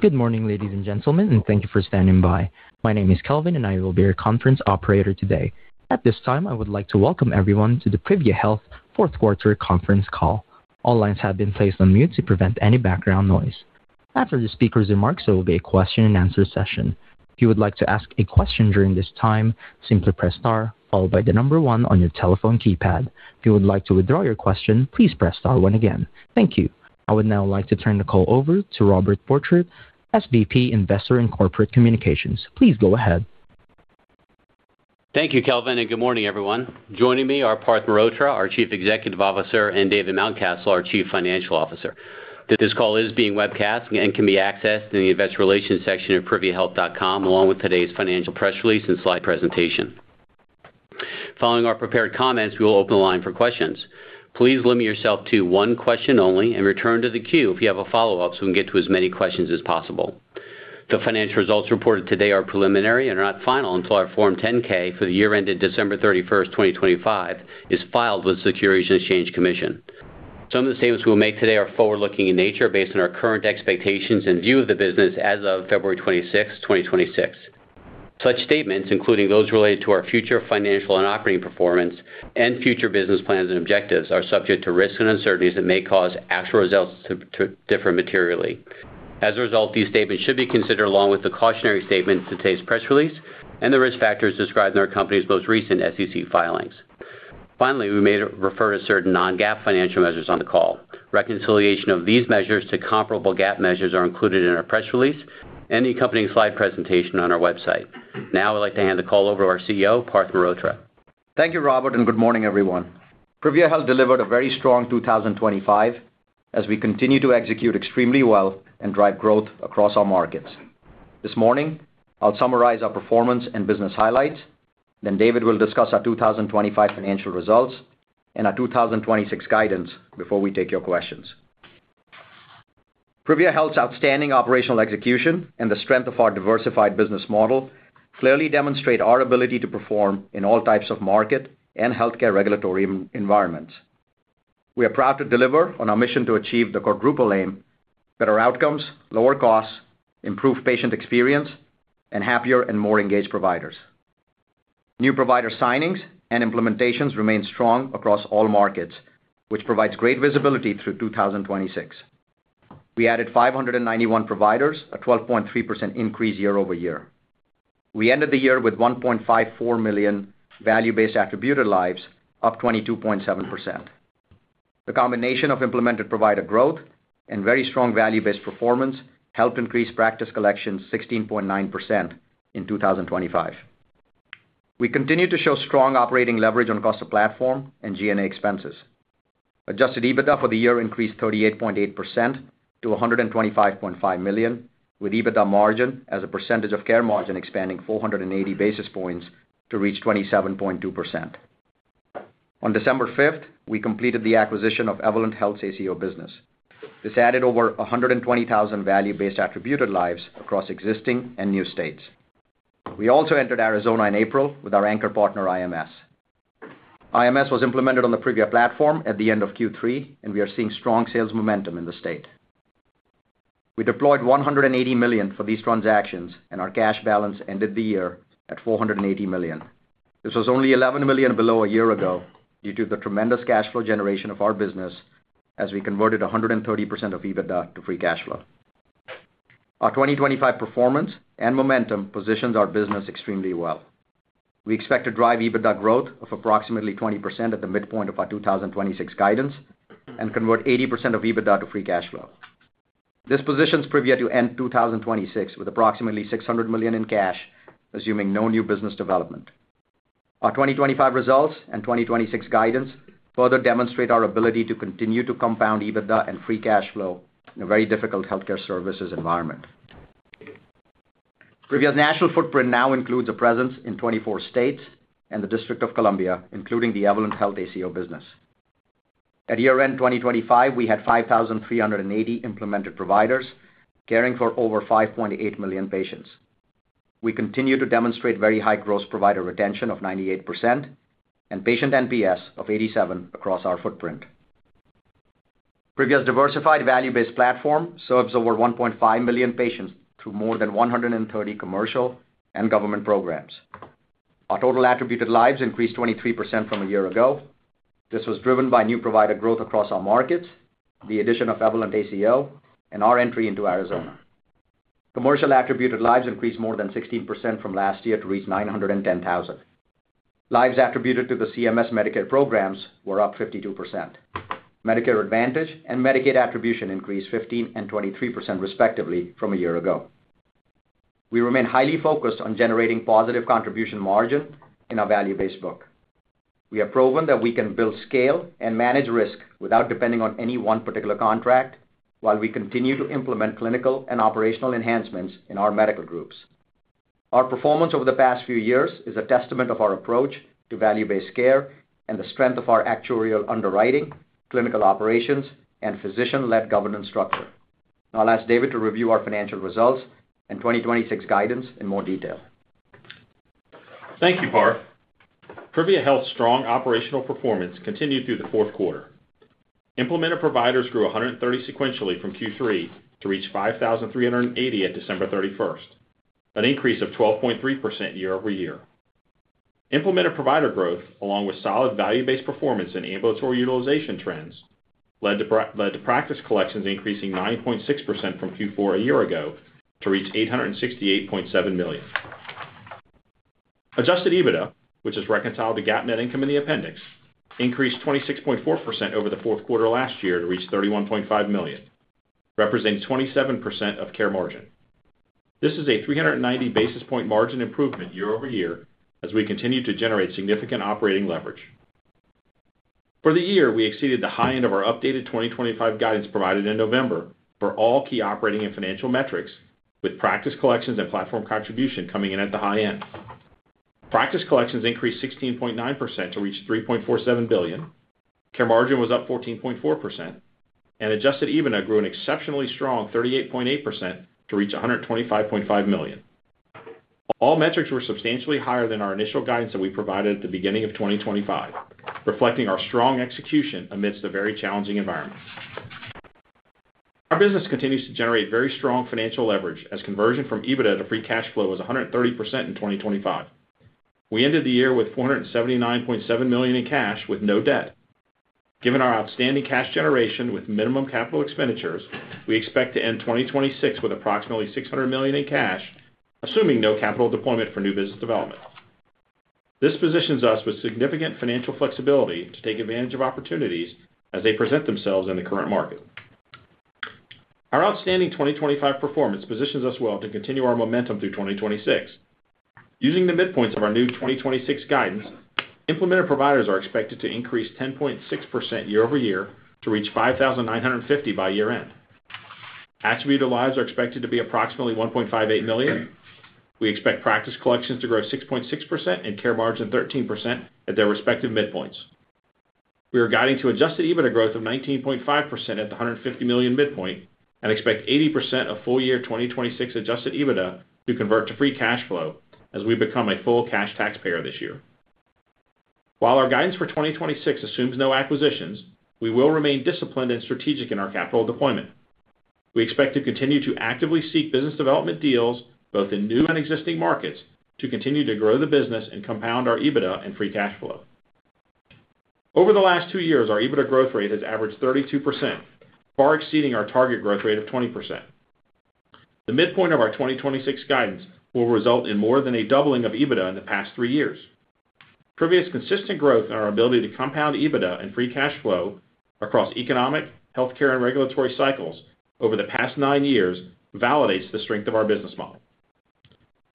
Good morning, ladies and gentlemen, thank you for standing by. My name is Kelvin, and I will be your conference operator today. At this time, I would like to welcome everyone to the Privia Health Fourth Quarter Conference Call. All lines have been placed on mute to prevent any background noise. After the speakers' remarks, there will be a question-and-answer session. If you would like to ask a question during this time, simply press star, followed by the number one on your telephone keypad. If you would like to withdraw your question, please press star one again. Thank you. I would now like to turn the call over to Robert Borchert, SVP, Investor and Corporate Communications. Please go ahead. Thank you, Kelvin, good morning, everyone. Joining me are Parth Mehrotra, our Chief Executive Officer, and David Mountcastle, our Chief Financial Officer. This call is being webcast and can be accessed in the Investor Relations section of priviahealth.com, along with today's financial press release and slide presentation. Following our prepared comments, we will open the line for questions. Please limit yourself to one question only and return to the queue if you have a follow-up, so we can get to as many questions as possible. The financial results reported today are preliminary and are not final until our Form 10-K for the year ended December 31, 2025 is filed with the Securities and Exchange Commission. Some of the statements we'll make today are forward-looking in nature based on our current expectations and view of the business as of February 26, 2026. Such statements, including those related to our future financial and operating performance and future business plans and objectives, are subject to risks and uncertainties that may cause actual results to differ materially. As a result, these statements should be considered along with the cautionary statements in today's press release and the risk factors described in our company's most recent SEC filings. Finally, we may refer to certain non-GAAP financial measures on the call. Reconciliation of these measures to comparable GAAP measures are included in our press release and the accompanying slide presentation on our website. Now, I'd like to hand the call over to our CEO, Parth Mehrotra. Thank you, Robert. Good morning, everyone. Privia Health delivered a very strong 2025 as we continue to execute extremely well and drive growth across our markets. This morning, I'll summarize our performance and business highlights. David will discuss our 2025 financial results and our 2026 guidance before we take your questions. Privia Health's outstanding operational execution and the strength of our diversified business model clearly demonstrate our ability to perform in all types of market and healthcare regulatory environments. We are proud to deliver on our mission to achieve the Quadruple Aim, better outcomes, lower costs, improved patient experience, and happier and more engaged providers. New provider signings and implementations remain strong across all markets, which provides great visibility through 2026. We added 591 providers, a 12.3% increase year-over-year. We ended the year with 1.54 million value-based attributed lives, up 22.7%. The combination of implemented provider growth and very strong value-based performance helped increase practice collections 16.9% in 2025. We continue to show strong operating leverage on cost of platform and G&A expenses. Adjusted EBITDA for the year increased 38.8% to $125.5 million, with EBITDA margin as a percentage of Care Margin expanding 480 basis points to reach 27.2%. On December 5th, we completed the acquisition of Evolent Health's ACO business. This added over 120,000 value-based attributed lives across existing and new states. We also entered Arizona in April with our anchor partner, IMS. IMS was implemented on the Privia platform at the end of Q3, and we are seeing strong sales momentum in the state. We deployed $180 million for these transactions, and our cash balance ended the year at $480 million. This was only $11 million below a year ago due to the tremendous cash flow generation of our business as we converted 130% of EBITDA to free cash flow. Our 2025 performance and momentum positions our business extremely well. We expect to drive EBITDA growth of approximately 20% at the midpoint of our 2026 guidance and convert 80% of EBITDA to free cash flow. This positions Privia Health to end 2026 with approximately $600 million in cash, assuming no new business development. Our 2025 results and 2026 guidance further demonstrate our ability to continue to compound EBITDA and free cash flow in a very difficult healthcare services environment. Privia's national footprint now includes a presence in 24 states and the District of Columbia, including the Evolent Health ACO business. At year-end 2025, we had 5,380 implemented providers caring for over 5.8 million patients. We continue to demonstrate very high gross provider retention of 98% and patient NPS of 87 across our footprint. Privia's diversified value-based platform serves over 1.5 million patients through more than 130 commercial and government programs. Our total attributed lives increased 23% from a year ago. This was driven by new provider growth across our markets, the addition of Evolent ACO, and our entry into Arizona. Commercial attributed lives increased more than 16% from last year to reach 910,000. Lives attributed to the CMS Medicaid programs were up 52%. Medicare Advantage and Medicaid attribution increased 15% and 23%, respectively, from a year ago. We remain highly focused on generating positive contribution margin in our value-based book. We have proven that we can build scale and manage risk without depending on any one particular contract, while we continue to implement clinical and operational enhancements in our medical groups. Our performance over the past few years is a testament of our approach to value-based care and the strength of our actuarial underwriting, clinical operations, and physician-led governance structure. Now I'll ask David to review our financial results and 2026 guidance in more detail. Thank you, Parth. Privia Health's strong operational performance continued through the fourth quarter. Implemented providers grew 130 sequentially from Q3 to reach 5,380 at December 31st, an increase of 12.3% year-over-year. Implemented provider growth, along with solid value-based performance and ambulatory utilization trends, led to practice collections increasing 9.6% from Q4 a year ago to reach $868.7 million. Adjusted EBITDA, which is reconciled to GAAP net income in the appendix, increased 26.4% over the fourth quarter last year to reach $31.5 million, representing 27% of Care Margin. This is a 390 basis point margin improvement year-over-year, as we continue to generate significant operating leverage. For the year, we exceeded the high end of our updated 2025 guidance provided in November for all key operating and financial metrics, with Practice Collections and Platform Contribution coming in at the high end. Practice Collections increased 16.9% to reach $3.47 billion. Care Margin was up 14.4%, and Adjusted EBITDA grew an exceptionally strong 38.8% to reach $125.5 million. All metrics were substantially higher than our initial guidance that we provided at the beginning of 2025, reflecting our strong execution amidst a very challenging environment. Our business continues to generate very strong financial leverage as conversion from EBITDA to free cash flow was 130% in 2025. We ended the year with $479.7 million in cash, with no debt. Given our outstanding cash generation with minimum capital expenditures, we expect to end 2026 with approximately $600 million in cash, assuming no capital deployment for new business development. This positions us with significant financial flexibility to take advantage of opportunities as they present themselves in the current market. Our outstanding 2025 performance positions us well to continue our momentum through 2026. Using the midpoints of our new 2026 guidance, implemented providers are expected to increase 10.6% year-over-year to reach 5,950 by year-end. Attribute lives are expected to be approximately 1.58 million. We expect Practice Collections to grow 6.6% and Care Margin 13% at their respective midpoints. We are guiding to Adjusted EBITDA growth of 19.5% at the $150 million midpoint and expect 80% of full year 2026 Adjusted EBITDA to convert to free cash flow as we become a full cash taxpayer this year. While our guidance for 2026 assumes no acquisitions, we will remain disciplined and strategic in our capital deployment. We expect to continue to actively seek business development deals, both in new and existing markets, to continue to grow the business and compound our EBITDA and free cash flow. Over the last two years, our EBITDA growth rate has averaged 32%, far exceeding our target growth rate of 20%. The midpoint of our 2026 guidance will result in more than a doubling of EBITDA in the past three years. Privia's consistent growth and our ability to compound EBITDA and free cash flow across economic, healthcare, and regulatory cycles over the past nine years validates the strength of our business model.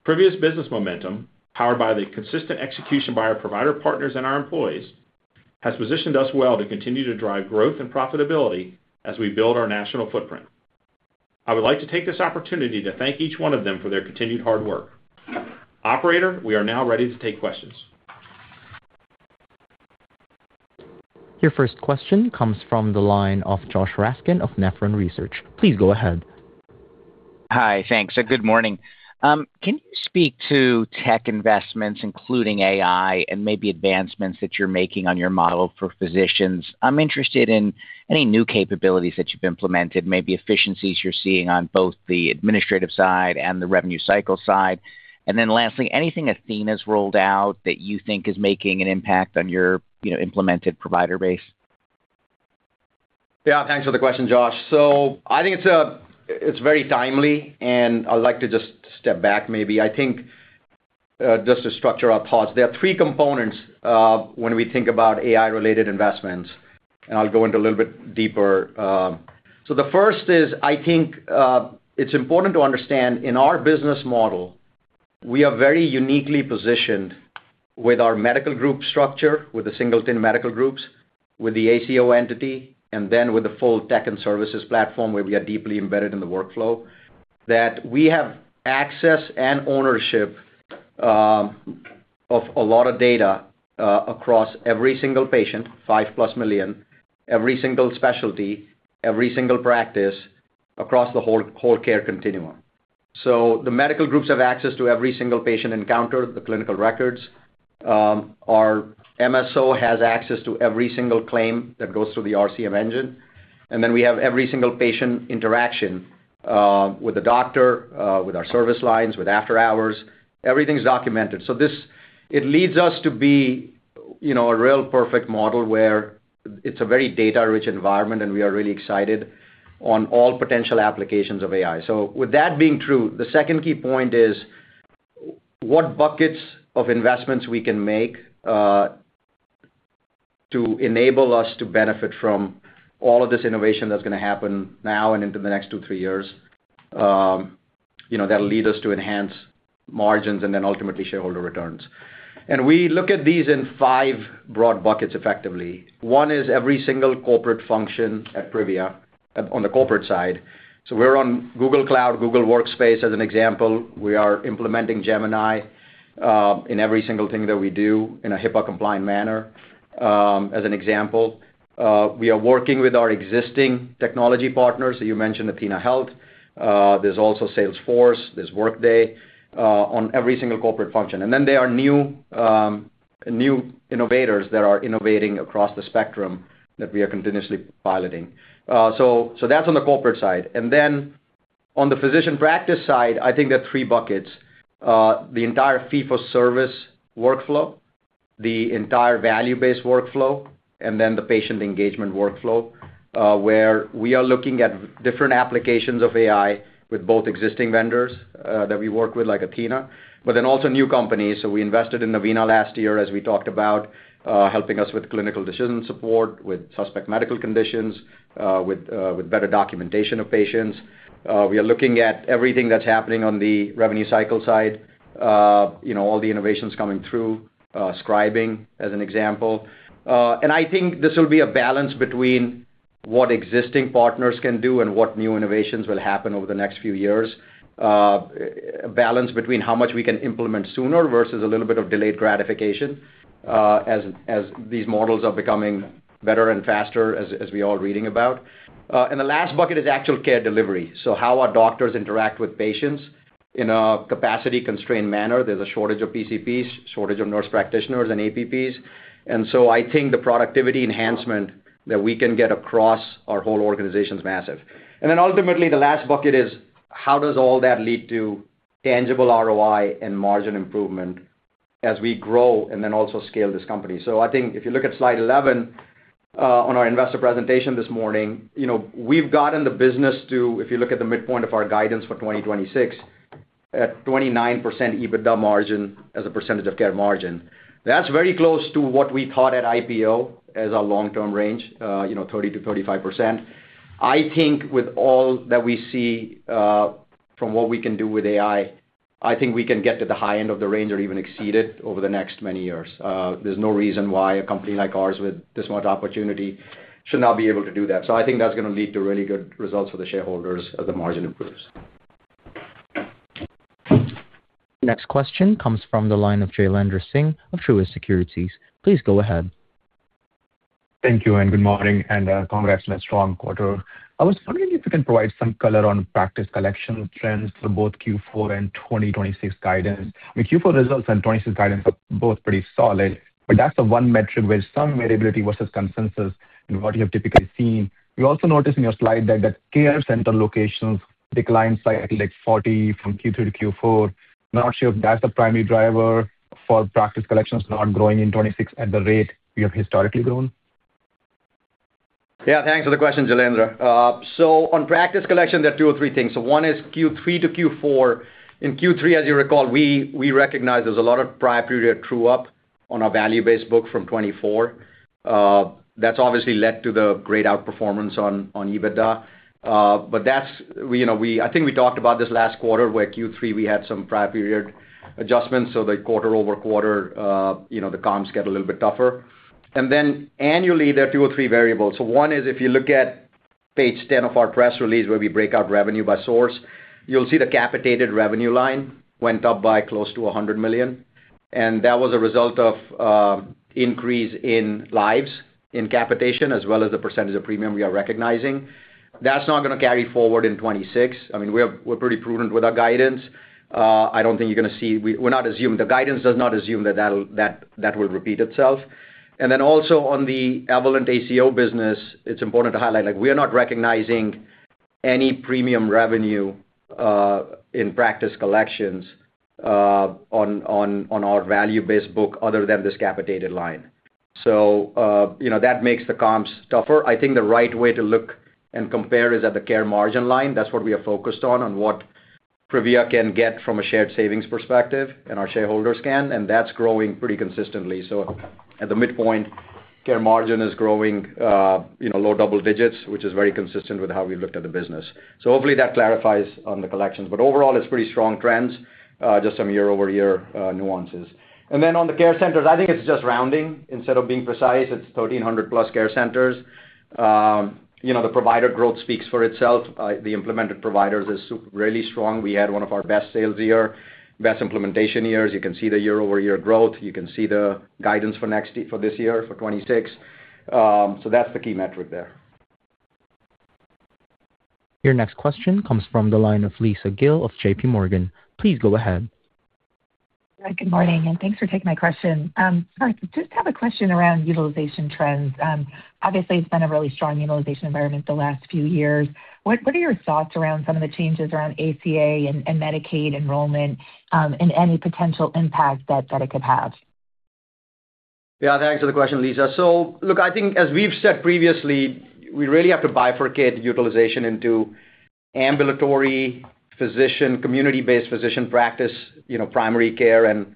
Privia's business momentum, powered by the consistent execution by our provider partners and our employees, has positioned us well to continue to drive growth and profitability as we build our national footprint. I would like to take this opportunity to thank each one of them for their continued hard work. Operator, we are now ready to take questions. Your first question comes from the line of Josh Raskin of Nephron Research. Please go ahead. Hi. Thanks, and good morning. Can you speak to tech investments, including AI and maybe advancements that you're making on your model for physicians? I'm interested in any new capabilities that you've implemented, maybe efficiencies you're seeing on both the administrative side and the revenue cycle side. Lastly, anything athenahealth's rolled out that you think is making an impact on your, you know, implemented provider base? Yeah, thanks for the question, Josh. I think it's very timely, and I'd like to just step back maybe. I think, just to structure our thoughts, there are three components when we think about AI-related investments, and I'll go into a little bit deeper. The first is, I think, it's important to understand, in our business model, we are very uniquely positioned with our medical group structure, with the single TIN medical groups, with the ACO entity, and then with the full tech and services platform, where we are deeply embedded in the workflow, that we have access and ownership of a lot of data across every single patient, 5+ million, every single specialty, every single practice across the whole care continuum. The medical groups have access to every single patient encounter, the clinical records. Our MSO has access to every single claim that goes through the RCM engine. Then we have every single patient interaction with the doctor, with our service lines, with after-hours. Everything's documented. This leads us to be, you know, a real perfect model where it's a very data-rich environment, and we are really excited on all potential applications of AI. With that being true, the second key point is what buckets of investments we can make to enable us to benefit from all of this innovation that's going to happen now and into the next two, three years, you know, that'll lead us to enhance margins and then ultimately shareholder returns. We look at these in five broad buckets effectively. One is every single corporate function at Privia, on the corporate side. We're on Google Cloud, Google Workspace, as an example. We are implementing Gemini in every single thing that we do in a HIPAA-compliant manner. As an example, we are working with our existing technology partners. You mentioned athenahealth. There's also Salesforce, there's Workday, on every single corporate function. And then there are new innovators that are innovating across the spectrum that we are continuously piloting. That's on the corporate side. Then on the physician practice side, I think there are three buckets. The entire fee-for-service workflow, the entire value-based workflow, and then the patient engagement workflow, where we are looking at different applications of AI with both existing vendors that we work with, like athenahealth, but then also new companies. We invested in Navina last year, as we talked about, helping us with clinical decision support, with suspect medical conditions, with better documentation of patients. We are looking at everything that's happening on the revenue cycle side, you know, all the innovations coming through, scribing, as an example. I think this will be a balance between what existing partners can do and what new innovations will happen over the next few years. Balance between how much we can implement sooner versus a little bit of delayed gratification, as these models are becoming better and faster, as we are reading about. The last bucket is actual care delivery, so how our doctors interact with patients in a capacity-constrained manner. There's a shortage of PCPs, shortage of nurse practitioners and APPs. I think the productivity enhancement that we can get across our whole organization is massive. Ultimately, the last bucket is: How does all that lead to tangible ROI and margin improvement as we grow and then also scale this company? I think if you look at slide 11 on our investor presentation this morning, you know, we've gotten the business to, if you look at the midpoint of our guidance for 2026, at 29% EBITDA margin as a percentage of Care Margin. That's very close to what we thought at IPO as our long-term range, you know, 30%-35%. I think with all that we see from what we can do with AI, I think we can get to the high end of the range or even exceed it over the next many years. There's no reason why a company like ours, with this much opportunity, should not be able to do that. I think that's gonna lead to really good results for the shareholders as the margin improves. Next question comes from the line of Jailendra Singh of Truist Securities. Please go ahead. Thank you. Good morning, and congrats on a strong quarter. I was wondering if you can provide some color on Practice Collection trends for both Q4 and 2026 guidance. Q4 results and 2026 guidance are both pretty solid, but that's the one metric where some variability versus consensus and what you have typically seen. We also noticed in your slide that the care center locations declined slightly, like 40 from Q3 to Q4. Not sure if that's the primary driver for Practice Collections not growing in 2026 at the rate you have historically grown. Yeah, thanks for the question, Jailendra. On Practice Collection, there are two or three things. One is Q3 to Q4. In Q3, as you recall, we recognized there's a lot of prior period true-up on our value-based book from 2024. That's obviously led to the great outperformance on EBITDA. That's, we, you know, I think we talked about this last quarter, where Q3, we had some prior period adjustments, so the quarter-over-quarter, you know, the comps get a little bit tougher. Annually, there are two or three variables. One is, if you look at page 10 of our press release, where we break out revenue by source, you'll see the capitated revenue line went up by close to $100 million, and that was a result of increase in lives, in capitation, as well as the percentage of premium we are recognizing. That's not gonna carry forward in 2026. I mean, we're pretty prudent with our guidance. I don't think you're gonna see. We're not assuming the guidance does not assume that will repeat itself. Then also on the Evolent ACO business, it's important to highlight, like, we are not recognizing any premium revenue in Practice Collections on our value-based book other than this capitated line. You know, that makes the comps tougher. I think the right way to look and compare is at the Care Margin line. That's what we are focused on what Privia can get from a shared savings perspective, and our shareholders can, and that's growing pretty consistently. At the midpoint, Care Margin is growing, you know, low double digits, which is very consistent with how we looked at the business. Hopefully, that clarifies on the collections. Overall, it's pretty strong trends, just some year-over-year nuances. On the care centers, I think it's just rounding. Instead of being precise, it's 1,300+ care centers. You know, the provider growth speaks for itself. The implemented providers is really strong. We had one of our best sales year, best implementation years. You can see the year-over-year growth. You can see the guidance for this year, for 2026. That's the key metric there. Your next question comes from the line of Lisa Gill of J.P. Morgan. Please go ahead. Good morning. Thanks for taking my question. Just have a question around utilization trends. Obviously, it's been a really strong utilization environment the last few years. What are your thoughts around some of the changes around ACA and Medicaid enrollment, and any potential impact that it could have? Yeah, thanks for the question, Lisa. Look, I think as we've said previously, we really have to bifurcate the utilization into ambulatory, physician, community-based physician practice, you know, primary care and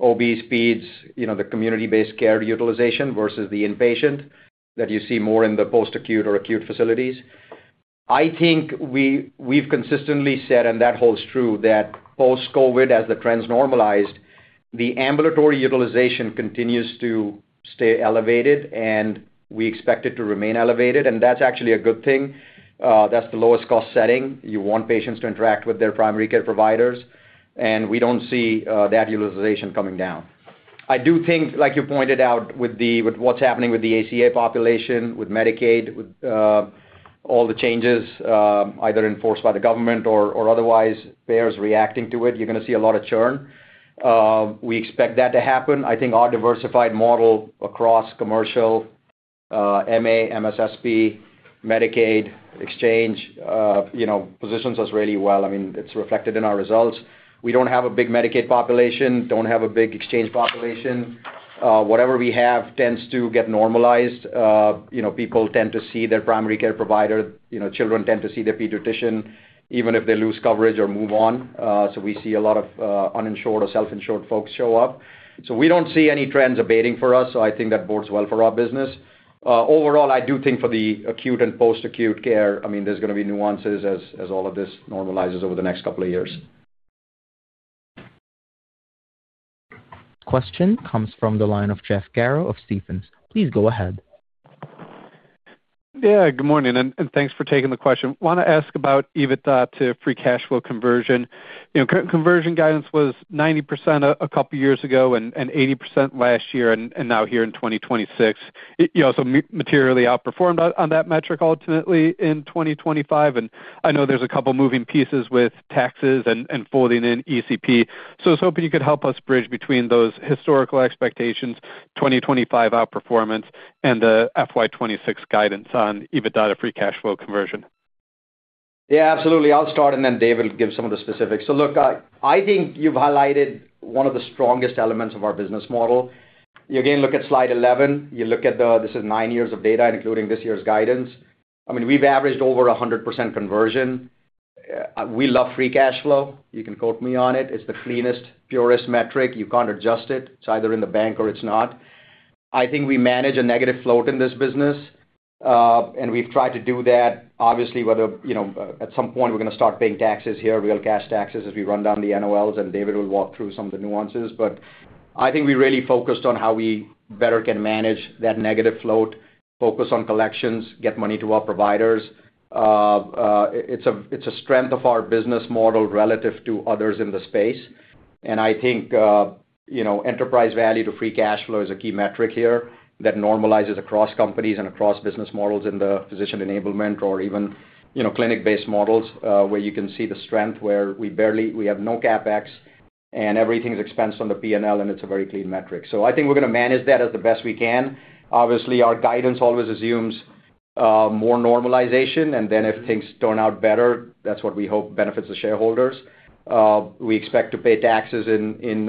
OB/GYNs, you know, the community-based care utilization versus the inpatient that you see more in the post-acute or acute facilities. We've consistently said, and that holds true, that post-COVID, as the trends normalized, the ambulatory utilization continues to stay elevated, and we expect it to remain elevated, and that's actually a good thing. That's the lowest cost setting. You want patients to interact with their primary care providers, and we don't see that utilization coming down. I do think, like you pointed out, with what's happening with the ACA population, with Medicaid, all the changes, either enforced by the government or otherwise, payers reacting to it, you're gonna see a lot of churn. We expect that to happen. I think our diversified model across commercial, MA, MSSP, Medicaid, exchange, you know, positions us really well. I mean, it's reflected in our results. We don't have a big Medicaid population, don't have a big exchange population. Whatever we have tends to get normalized. You know, people tend to see their primary care provider, you know, children tend to see their pediatrician, even if they lose coverage or move on. We see a lot of, uninsured or self-insured folks show up. We don't see any trends abating for us, so I think that bodes well for our business. Overall, I do think for the acute and post-acute care, I mean, there's gonna be nuances as all of this normalizes over the next couple of years. Question comes from the line of Jeff Garro of Stephens. Please go ahead. Yeah, good morning, and thanks for taking the question. Wanna ask about EBITDA to free cash flow conversion. You know, conversion guidance was 90% a couple years ago, and 80% last year, and now here in 2026. It, you know, so materially outperformed on that metric ultimately in 2025, and I know there's a couple moving pieces with taxes and folding in ECP. I was hoping you could help us bridge between those historical expectations, 2025 outperformance, and the FY 2026 guidance on EBITDA free cash flow conversion. Yeah, absolutely. I'll start, and then David will give some of the specifics. Look, I think you've highlighted one of the strongest elements of our business model. You again, look at slide 11, you look at the, this is nine years of data, including this year's guidance. I mean, we've averaged over 100% conversion. We love free cash flow. You can quote me on it. It's the cleanest, purest metric. You can't adjust it. It's either in the bank or it's not. I think we manage a negative float in this business, and we've tried to do that. Obviously, whether, you know, at some point we're gonna start paying taxes here, real cash taxes, as we run down the NOLs, and David will walk through some of the nuances. I think we really focused on how we better can manage that negative float, focus on collections, get money to our providers. It's a strength of our business model relative to others in the space. I think, you know, enterprise value to free cash flow is a key metric here that normalizes across companies and across business models in the physician enablement or even, you know, clinic-based models, where you can see the strength, where we have no CapEx, and everything's expensed on the P&L, and it's a very clean metric. I think we're gonna manage that as the best we can. Obviously, our guidance always assumes more normalization, and then if things turn out better, that's what we hope benefits the shareholders. We expect to pay taxes in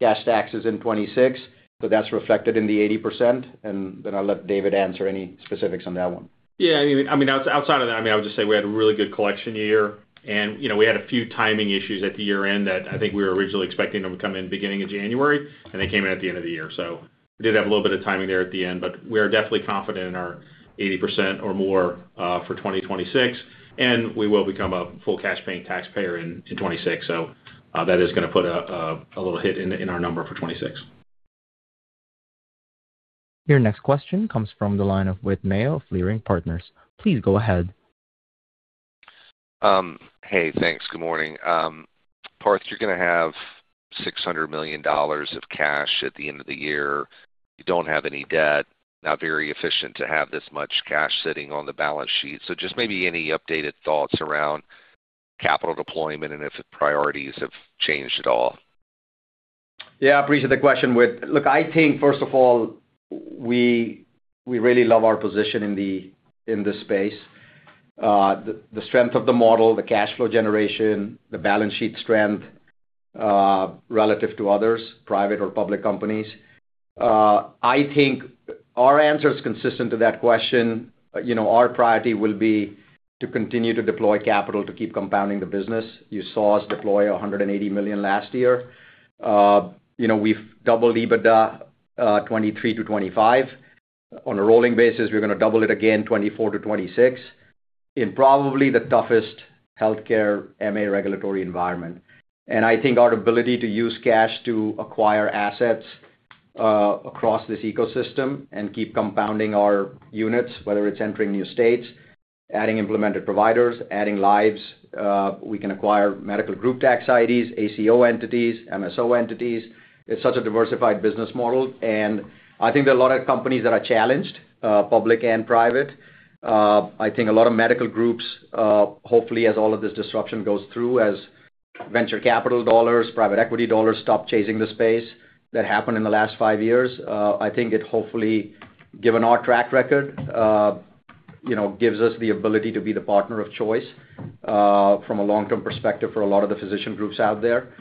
cash taxes in 2026, so that's reflected in the 80%. I'll let David answer any specifics on that one. Yeah, I mean, outside of that, I mean, I would just say we had a really good collection year. You know, we had a few timing issues at the year-end that I think we were originally expecting them to come in beginning of January, and they came in at the end of the year. We did have a little bit of timing there at the end, but we are definitely confident in our 80% or more for 2026, and we will become a full cash-paying taxpayer in 2026. That is gonna put a little hit in our number for 2026. Your next question comes from the line of Whit Mayo of Leerink Partners. Please go ahead. Hey, thanks. Good morning. Parth, you're gonna have $600 million of cash at the end of the year. You don't have any debt. Not very efficient to have this much cash sitting on the balance sheet. Just maybe any updated thoughts around capital deployment and if the priorities have changed at all? Yeah, appreciate the question, Whit. I think, first of all, we really love our position in this space, the strength of the model, the cash flow generation, the balance sheet strength, relative to others, private or public companies. I think our answer is consistent to that question. You know, our priority will be to continue to deploy capital to keep compounding the business. You saw us deploy $180 million last year. You know, we've doubled EBITDA, 2023 to 2025. On a rolling basis, we're gonna double it again, 2024 to 2026, in probably the toughest healthcare MA regulatory environment. I think our ability to use cash to acquire assets across this ecosystem and keep compounding our units, whether it's entering new states, adding implemented providers, adding lives, we can acquire medical group tax IDs, ACO entities, MSO entities. It's such a diversified business model, and I think there are a lot of companies that are challenged, public and private. I think a lot of medical groups, hopefully, as all of this disruption goes through, as venture capital dollars, private equity dollars, stop chasing the space that happened in the last five years, I think it hopefully, given our track record, you know, gives us the ability to be the partner of choice, from a long-term perspective for a lot of the physician groups out there.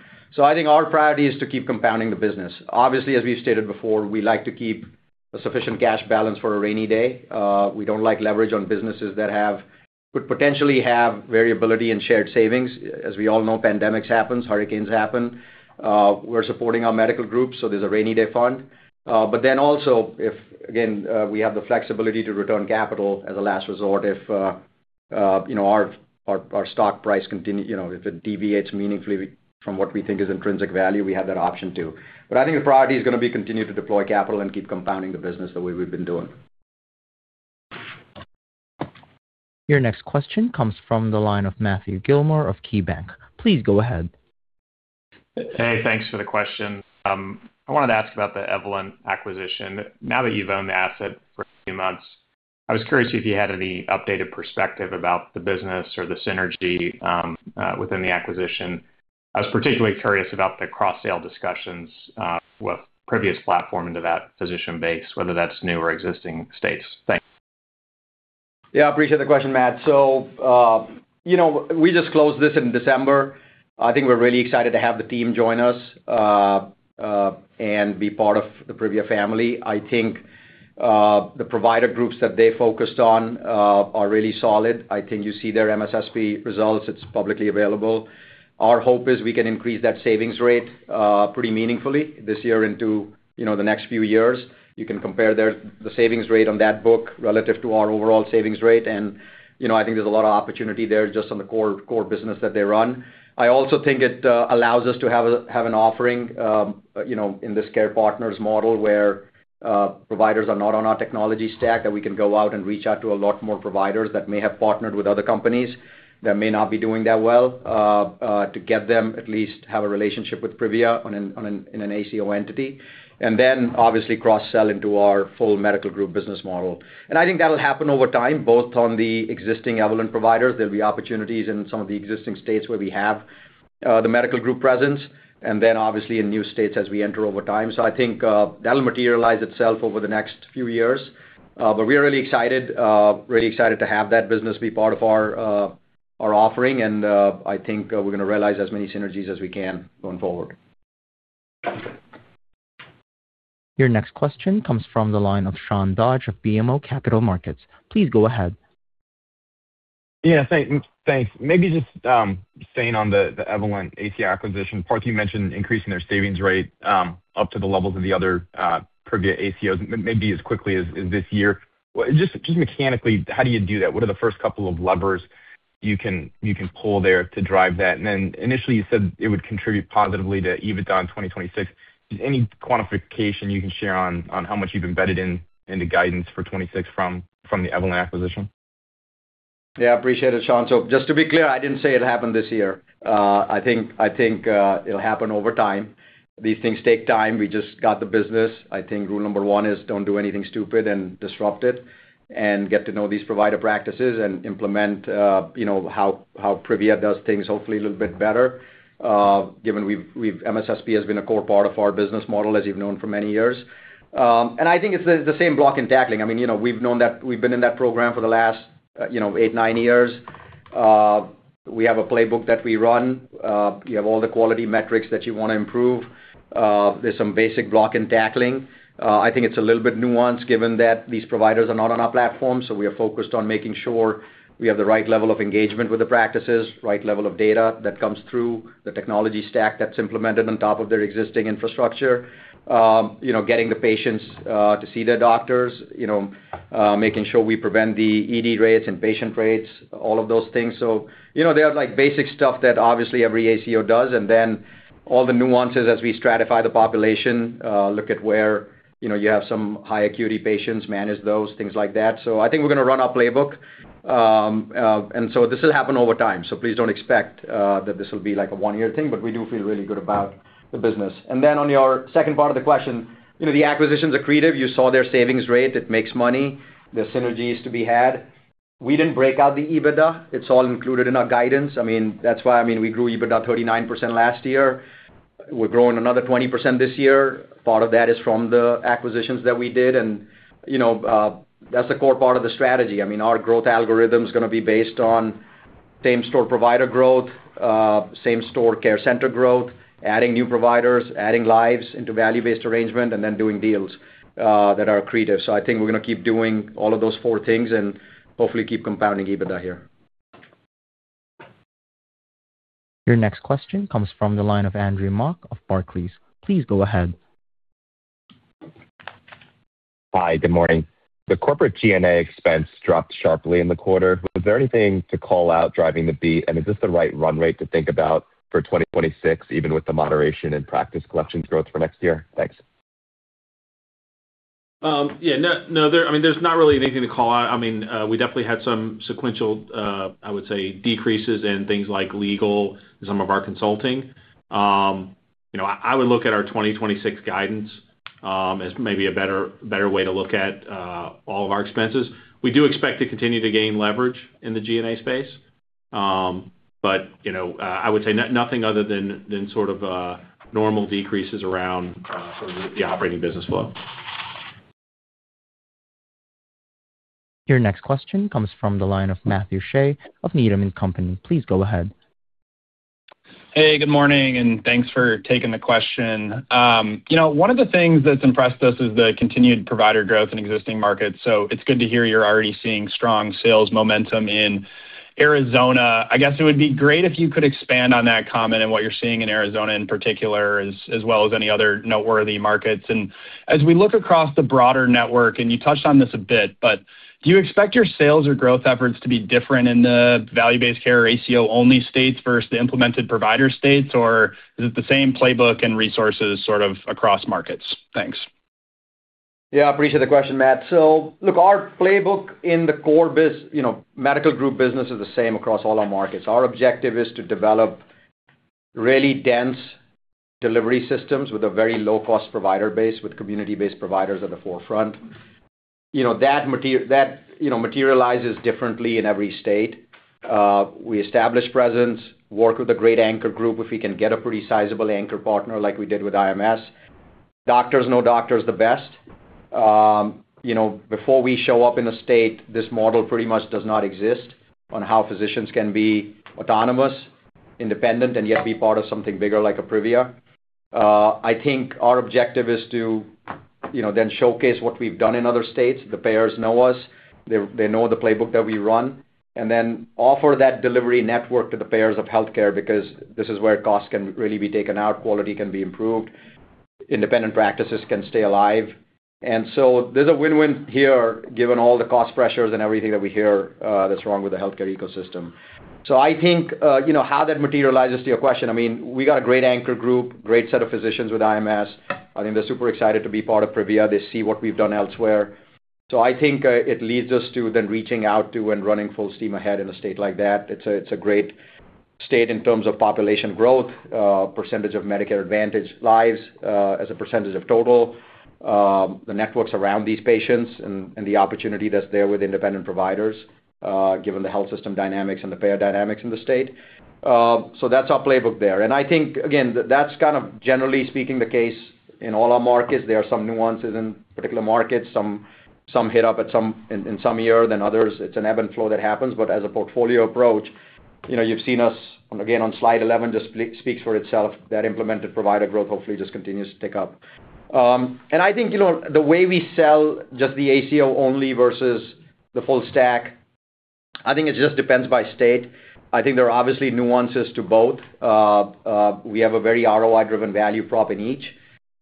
I think our priority is to keep compounding the business. Obviously, as we've stated before, we like to keep a sufficient cash balance for a rainy day. We don't like leverage on businesses that could potentially have variability in shared savings. As we all know, pandemics happens, hurricanes happen. We're supporting our medical groups, so there's a rainy day fund. Then also, if, again, we have the flexibility to return capital as a last resort, if, you know, our stock price continue, you know, if it deviates meaningfully from what we think is intrinsic value, we have that option too. I think the priority is gonna be continue to deploy capital and keep compounding the business the way we've been doing. Your next question comes from the line of Matthew Gilmore of KeyBanc. Please go ahead. Hey, thanks for the question. I wanted to ask about the Evolent acquisition. Now that you've owned the asset for a few months, I was curious if you had any updated perspective about the business or the synergy within the acquisition. I was particularly curious about the cross-sale discussions with Privia platform into that physician base, whether that's new or existing states. Thanks. Yeah, I appreciate the question, Matt. You know, we just closed this in December. I think we're really excited to have the team join us, and be part of the Privia family. I think the provider groups that they focused on are really solid. I think you see their MSSP results. It's publicly available. Our hope is we can increase that savings rate pretty meaningfully this year into, you know, the next few years. You can compare the savings rate on that book relative to our overall savings rate, and, you know, I think there's a lot of opportunity there just on the core business that they run. I also think it allows us to have an offering, you know, in this Care Partners model, where providers are not on our technology stack, that we can go out and reach out to a lot more providers that may have partnered with other companies, that may not be doing that well, to get them at least have a relationship with Privia in an ACO entity, and then, obviously, cross-sell into our full medical group business model. I think that'll happen over time, both on the existing Evolent providers. There'll be opportunities in some of the existing states where we have the medical group presence, and then obviously in new states as we enter over time. I think that'll materialize itself over the next few years. We are really excited, really excited to have that business be part of our offering, and, I think, we're gonna realize as many synergies as we can going forward. Your next question comes from the line of Sean Dodge of BMO Capital Markets. Please go ahead. Yeah, thanks. Maybe just staying on the Evolent ACO acquisition. Parth, you mentioned increasing their savings rate up to the levels of the other Privia ACOs, maybe as quickly as this year. Well, just mechanically, how do you do that? What are the first couple of levers you can pull there to drive that? Initially, you said it would contribute positively to EBITDA in 2026. Any quantification you can share on how much you've embedded into guidance for 2026 from the Evolent acquisition? Yeah, I appreciate it, Sean. Just to be clear, I didn't say it happened this year. I think it'll happen over time. These things take time. We just got the business. I think rule number one is don't do anything stupid and disrupt it, and get to know these provider practices and implement, you know, how Privia does things, hopefully a little bit better, given MSSP has been a core part of our business model, as you've known for many years. I think it's the same block in tackling. I mean, you know, we've been in that program for the last, you know, eight, nine years. We have a playbook that we run. You have all the quality metrics that you wanna improve. There's some basic block and tackling. I think it's a little bit nuanced, given that these providers are not on our platform, so we are focused on making sure we have the right level of engagement with the practices, right level of data that comes through, the technology stack that's implemented on top of their existing infrastructure. You know, getting the patients to see their doctors, you know, making sure we prevent the ED rates and patient rates, all of those things. You know, they are like basic stuff that obviously every ACO does, and then all the nuances as we stratify the population, look at where, you know, you have some high acuity patients, manage those, things like that. I think we're gonna run our playbook. This will happen over time, so please don't expect that this will be like a one-year thing, but we do feel really good about the business. On your second part of the question, you know, the acquisitions accretive. You saw their savings rate. It makes money. There are synergies to be had. We didn't break out the EBITDA. It's all included in our guidance. I mean, that's why, I mean, we grew EBITDA 39% last year. We're growing another 20% this year. Part of that is from the acquisitions that we did, and, you know, that's a core part of the strategy. I mean, our growth algorithm is gonna be based on same-store provider growth, same-store care center growth, adding new providers, adding lives into value-based arrangement, and then doing deals that are accretive. I think we're gonna keep doing all of those four things and hopefully keep compounding EBITDA here. Your next question comes from the line of Andrew Mok of Barclays. Please go ahead. Hi, good morning. The corporate G&A expense dropped sharply in the quarter. Was there anything to call out driving the beat, and is this the right run rate to think about for 2026, even with the moderation in Practice Collections growth for next year? Thanks. Yeah, no, there's not really anything to call out. We definitely had some sequential, I would say, decreases in things like legal and some of our consulting. You know, I would look at our 2026 guidance as maybe a better way to look at all of our expenses. We do expect to continue to gain leverage in the G&A space. You know, I would say nothing other than sort of normal decreases around sort of the operating business flow. Your next question comes from the line of Matthew Shea of Needham & Company. Please go ahead. Hey, good morning, and thanks for taking the question. You know, one of the things that's impressed us is the continued provider growth in existing markets, so it's good to hear you're already seeing strong sales momentum in Arizona. I guess it would be great if you could expand on that comment and what you're seeing in Arizona, in particular, as well as any other noteworthy markets. As we look across the broader network, and you touched on this a bit, but do you expect your sales or growth efforts to be different in the value-based care or ACO-only states versus the implemented provider states, or is it the same playbook and resources sort of across markets? Thanks. Yeah, appreciate the question, Matt. Look, our playbook in the core, you know, medical group business is the same across all our markets. Our objective is to develop really dense delivery systems with a very low-cost provider base, with community-based providers at the forefront. You know, that that, you know, materializes differently in every state. We establish presence, work with a great anchor group, if we can get a pretty sizable anchor partner, like we did with IMS. Doctors know doctors the best. You know, before we show up in a state, this model pretty much does not exist on how physicians can be autonomous, independent, and yet be part of something bigger, like Privia. I think our objective is to, you know, then showcase what we've done in other states. The payers know us. They know the playbook that we run, offer that delivery network to the payers of healthcare. This is where costs can really be taken out, quality can be improved, independent practices can stay alive. There's a win-win here, given all the cost pressures and everything that we hear, that's wrong with the healthcare ecosystem. I think, you know, how that materializes to your question, I mean, we got a great anchor group, great set of physicians with IMS. I think they're super excited to be part of Privia. They see what we've done elsewhere. I think, it leads us to then reaching out to and running full steam ahead in a state like that. It's a great state in terms of population growth, percentage of Medicare Advantage lives, as a percentage of total, the networks around these patients and the opportunity that's there with independent providers, given the health system dynamics and the payer dynamics in the state. That's our playbook there. I think, again, that's kind of, generally speaking, the case in all our markets. There are some nuances in particular markets. Some hit up in some year than others. It's an ebb and flow that happens, but as a portfolio approach, you know, you've seen us, again, on Slide 11, just speaks for itself. That implemented provider growth hopefully just continues to tick up. I think, you know, the way we sell just the ACO only versus the full stack, I think it just depends by state. I think there are obviously nuances to both. We have a very ROI-driven value prop in each.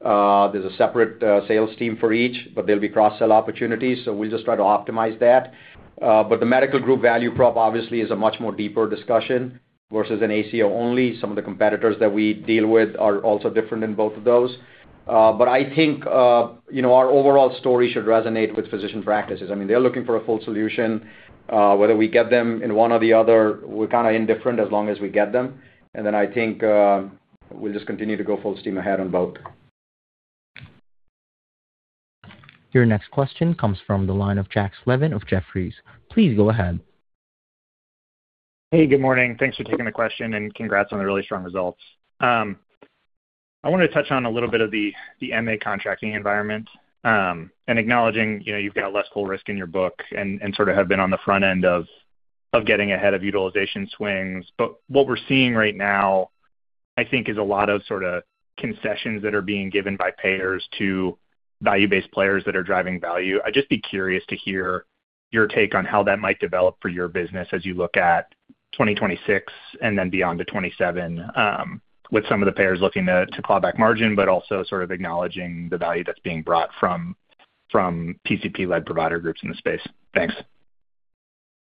There's a separate sales team for each, but there'll be cross-sell opportunities, so we just try to optimize that. The medical group value prop obviously, is a much more deeper discussion versus an ACO only. Some of the competitors that we deal with are also different in both of those. I think, you know, our overall story should resonate with physician practices. I mean, they're looking for a full solution. Whether we get them in one or the other, we're kinda indifferent as long as we get them. I think, we'll just continue to go full steam ahead on both. Your next question comes from the line of Jack Slevin of Jefferies. Please go ahead. Hey, good morning. Thanks for taking the question, and congrats on the really strong results. I wanted to touch on a little bit of the MA contracting environment, and acknowledging, you know, you've got less full risk in your book and sort of have been on the front end of getting ahead of utilization swings. What we're seeing right now, I think, is a lot of sort of concessions that are being given by payers to value-based players that are driving value. I'd just be curious to hear your take on how that might develop for your business as you look at 2026 and then beyond to 2027, with some of the payers looking to claw back margin, but also sort of acknowledging the value that's being brought from PCP-led provider groups in the space. Thanks.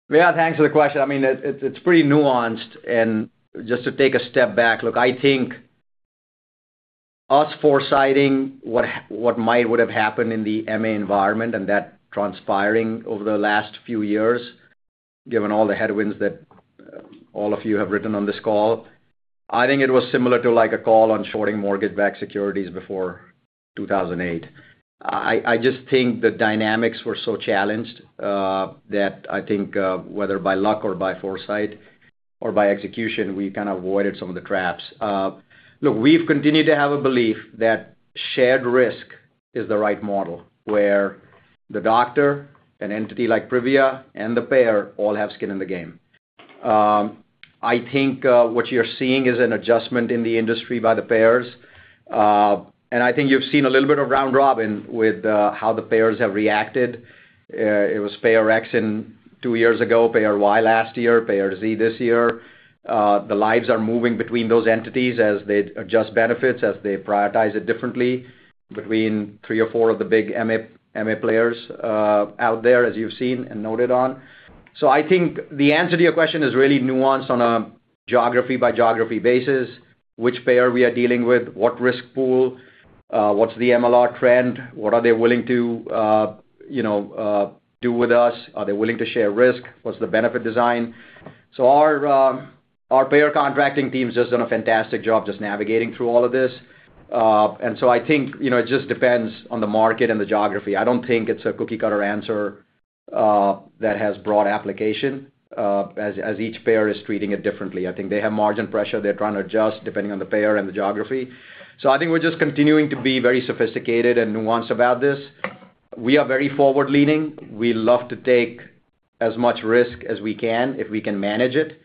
Yeah, thanks for the question. I mean, it's, it's pretty nuanced. Just to take a step back, look, I think us foresighting what might would have happened in the MA environment and that transpiring over the last few years, given all the headwinds that all of you have written on this call, I think it was similar to like a call on shorting mortgage-backed securities before 2008. I just think the dynamics were so challenged that I think whether by luck or by foresight or by execution, we kinda avoided some of the traps. Look, we've continued to have a belief that shared risk is the right model, where the doctor, an entity like Privia, and the payer all have skin in the game. I think what you're seeing is an adjustment in the industry by the payers, and I think you've seen a little bit of round robin with how the payers have reacted. It was payer X in two years ago, payer Y last year, payer Z this year. The lives are moving between those entities as they adjust benefits, as they prioritize it differently between three or four of the big MA players out there, as you've seen and noted on. I think the answer to your question is really nuanced on a geography-by-geography basis, which payer we are dealing with, what risk pool, what's the MLR trend, what are they willing to, you know, do with us, are they willing to share risk, what's the benefit design. Our payer contracting team's just done a fantastic job just navigating through all of this. I think, you know, it just depends on the market and the geography. I don't think it's a cookie-cutter answer that has broad application as each payer is treating it differently. I think they have margin pressure they're trying to adjust depending on the payer and the geography. I think we're just continuing to be very sophisticated and nuanced about this. We are very forward-leaning. We love to take as much risk as we can, if we can manage it.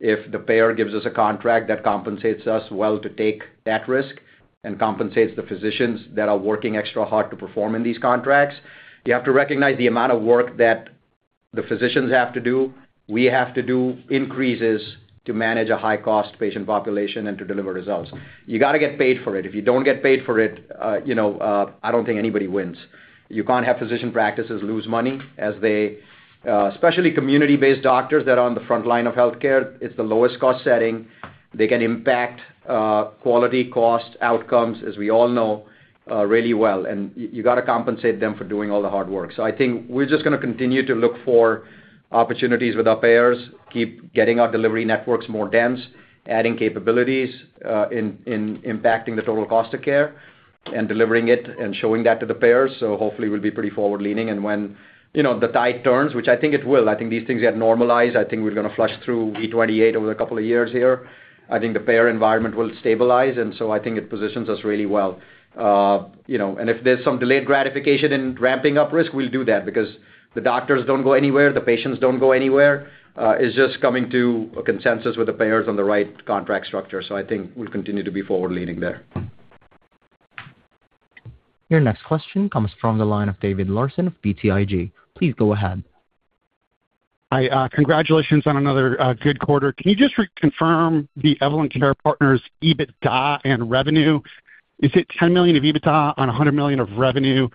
If the payer gives us a contract that compensates us well to take that risk and compensates the physicians that are working extra hard to perform in these contracts. You have to recognize the amount of work that the physicians have to do. We have to do increases to manage a high-cost patient population and to deliver results. You gotta get paid for it. If you don't get paid for it, you know, I don't think anybody wins. You can't have physician practices lose money as they, especially community-based doctors that are on the front line of healthcare. It's the lowest cost setting. They can impact, quality, cost, outcomes, as we all know, really well, and you got to compensate them for doing all the hard work. I think we're just gonna continue to look for opportunities with our payers, keep getting our delivery networks more dense, adding capabilities, in impacting the total cost of care and delivering it and showing that to the payers. Hopefully, we'll be pretty forward-leaning. When, you know, the tide turns, which I think it will, I think these things get normalized. I think we're gonna flush through V28 over a couple of years here. I think the payer environment will stabilize. I think it positions us really well. You know, if there's some delayed gratification in ramping up risk, we'll do that because the doctors don't go anywhere, the patients don't go anywhere. It's just coming to a consensus with the payers on the right contract structure. I think we'll continue to be forward-leaning there. Your next question comes from the line of David Larsen of BTIG. Please go ahead. Hi, congratulations on another good quarter. Can you just reconfirm the Evolent Care Partners EBITDA and revenue? Is it $10 million of EBITDA on $100 million of revenue?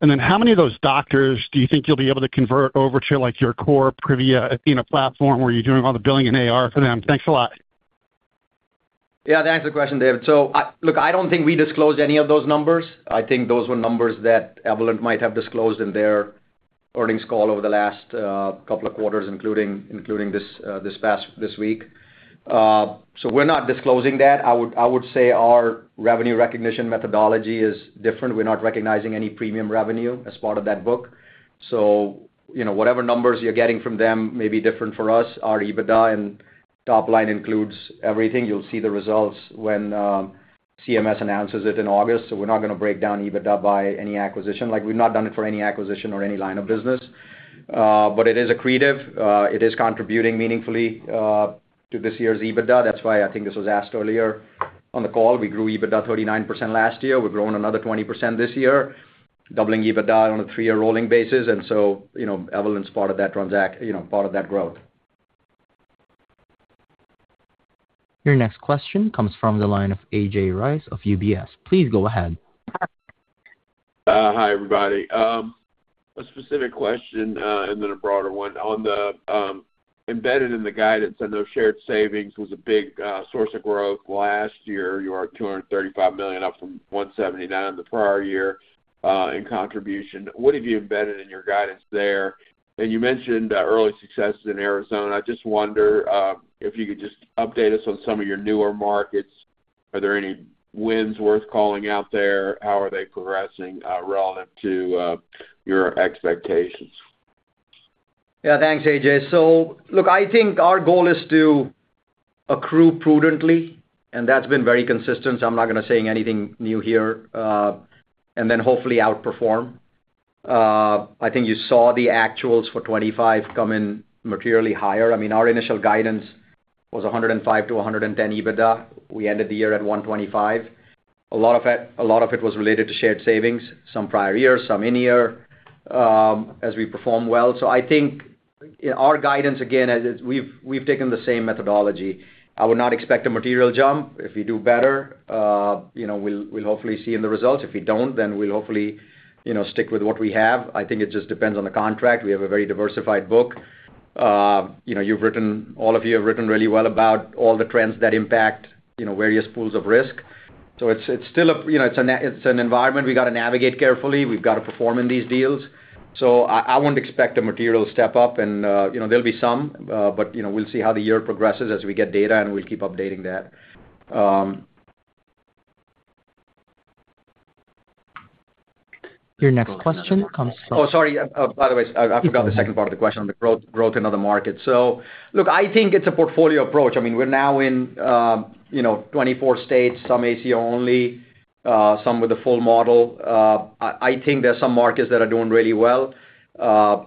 Then how many of those doctors do you think you'll be able to convert over to, like, your core Privia, athena platform, where you're doing all the billing and AR for them? Thanks a lot. Yeah, thanks for the question, David. Look, I don't think we disclosed any of those numbers. I think those were numbers that Evolent might have disclosed in their earnings call over the last couple of quarters, including this week. We're not disclosing that. I would say our revenue recognition methodology is different. We're not recognizing any premium revenue as part of that book. You know, whatever numbers you're getting from them may be different for us. Our EBITDA and top line includes everything. You'll see the results when CMS announces it in August, so we're not gonna break down EBITDA by any acquisition. Like, we've not done it for any acquisition or any line of business. It is accretive, it is contributing meaningfully to this year's EBITDA. That's why I think this was asked earlier on the call. We grew EBITDA 39% last year. We've grown another 20% this year, doubling EBITDA on a three-year rolling basis. You know, Evolent's part of that, you know, part of that growth. Your next question comes from the line of A.J. Rice of UBS. Please go ahead. Hi, everybody. A specific question, and then a broader one. On the embedded in the guidance, I know shared savings was a big source of growth last year. You are $235 million up from $179 million the prior year, in contribution. What have you embedded in your guidance there? You mentioned early successes in Arizona. I just wonder if you could just update us on some of your newer markets. Are there any wins worth calling out there? How are they progressing, relative to your expectations? Yeah, thanks, A.J. Look, I think our goal is to accrue prudently, and that's been very consistent, so I'm not gonna say anything new here, and then hopefully outperform. I think you saw the actuals for 2025 come in materially higher. I mean, our initial guidance was $105 million-$110 million EBITDA. We ended the year at $125 million. A lot of it was related to shared savings, some prior years, some in-year, as we perform well. I think, our guidance, again, we've taken the same methodology. I would not expect a material jump. If we do better, you know, we'll hopefully see in the results. If we don't, then we'll hopefully, you know, stick with what we have. I think it just depends on the contract. We have a very diversified book. You know, all of you have written really well about all the trends that impact, you know, various pools of risk. It's still a, you know, it's an environment we got to navigate carefully. We've got to perform in these deals. I wouldn't expect a material step-up, and, you know, there'll be some, but, you know, we'll see how the year progresses as we get data, and we'll keep updating that. Your next question comes from. Oh, sorry. By the way, I forgot the second part of the question on the growth in other markets. Look, I think it's a portfolio approach. I mean, we're now in, you know, 24 states, some ACO only, some with a full model. I think there are some markets that are doing really well.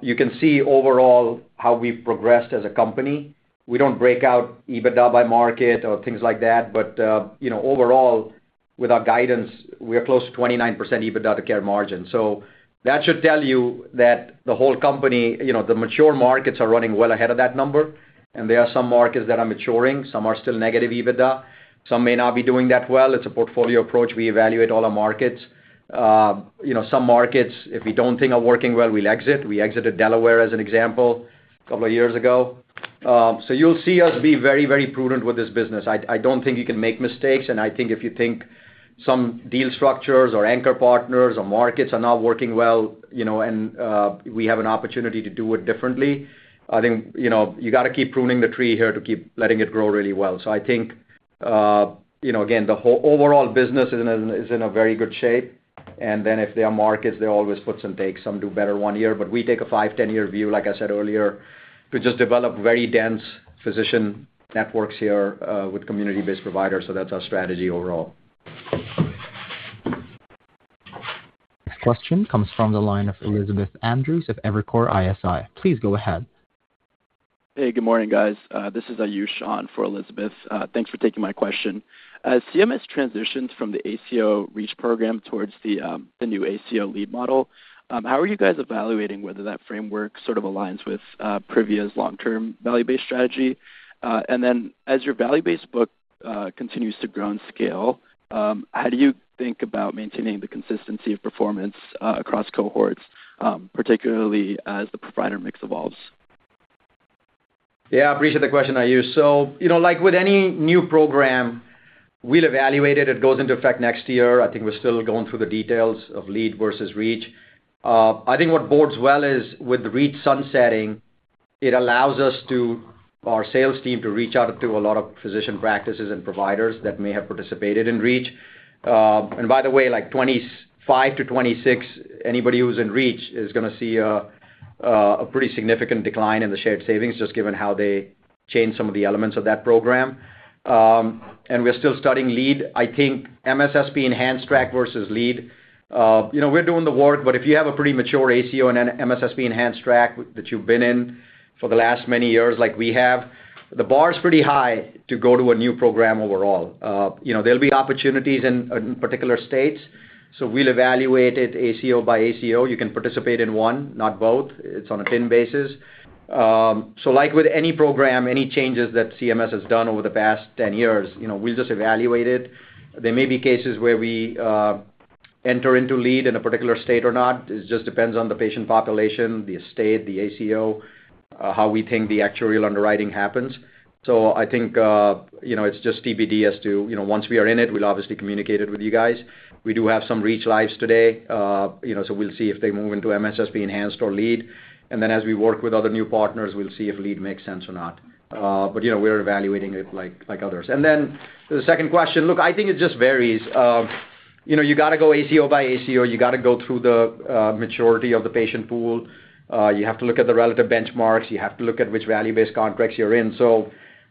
You can see overall how we've progressed as a company. We don't break out EBITDA by market or things like that, but, you know, overall, with our guidance, we are close to 29% EBITDA to Care Margin. That should tell you that the whole company, you know, the mature markets are running well ahead of that number, and there are some markets that are maturing. Some are still negative EBITDA. Some may not be doing that well. It's a portfolio approach. We evaluate all our markets. You know, some markets, if we don't think are working well, we'll exit. We exited Delaware, as an example, couple years ago. You'll see us be very, very prudent with this business. I don't think you can make mistakes, and I think if you think some deal structures or anchor partners or markets are not working well, you know, and we have an opportunity to do it differently, I think, you know, you got to keep pruning the tree here to keep letting it grow really well. I think, you know, again, the whole overall business is in a very good shape. If there are markets, there are always puts and takes. Some do better one year, but we take a five, 10-year view, like I said earlier, to just develop very dense physician networks here, with community-based providers. That's our strategy overall. Next question comes from the line of Elizabeth Anderson of Evercore ISI. Please go ahead. Hey, good morning, guys. This is Ayush on for Elizabeth. Thanks for taking my question. As CMS transitions from the ACO REACH program towards the new ACO LEAD Model, how are you guys evaluating whether that framework sort of aligns with Privia's long-term, value-based strategy? As your value-based book continues to grow and scale, how do you think about maintaining the consistency of performance across cohorts, particularly as the provider mix evolves? Yeah, I appreciate the question, Ayu. You know, like with any new program, we'll evaluate it. It goes into effect next year. I think we're still going through the details of LEAD versus REACH. I think what bodes well is with the REACH sunsetting, it allows our sales team to reach out to a lot of physician practices and providers that may have participated in REACH. By the way, like, 2025-2026, anybody who's in REACH is gonna see a pretty significant decline in the shared savings, just given how they changed some of the elements of that program. And we're still studying LEAD. I think MSSP ENHANCED track versus LEAD, you know, we're doing the work. If you have a pretty mature ACO and an MSSP ENHANCED track that you've been in for the last many years, like we have, the bar is pretty high to go to a new program overall. You know, there'll be opportunities in particular states. We'll evaluate it ACO by ACO. You can participate in one, not both. It's on a bin basis. Like with any program, any changes that CMS has done over the past 10 years, you know, we'll just evaluate it. There may be cases where we enter into LEAD in a particular state or not. It just depends on the patient population, the state, the ACO, how we think the actuarial underwriting happens. I think, you know, it's just TBD as to... You know, once we are in it, we'll obviously communicate it with you guys. We do have some REACH lives today, you know, so we'll see if they move into MSSP ENHANCED or LEAD. As we work with other new partners, we'll see if LEAD makes sense or not. You know, we're evaluating it like others. The second question. Look, I think it just varies. You know, you gotta go ACO by ACO. You gotta go through the maturity of the patient pool. You have to look at the relative benchmarks. You have to look at which value-based contracts you're in.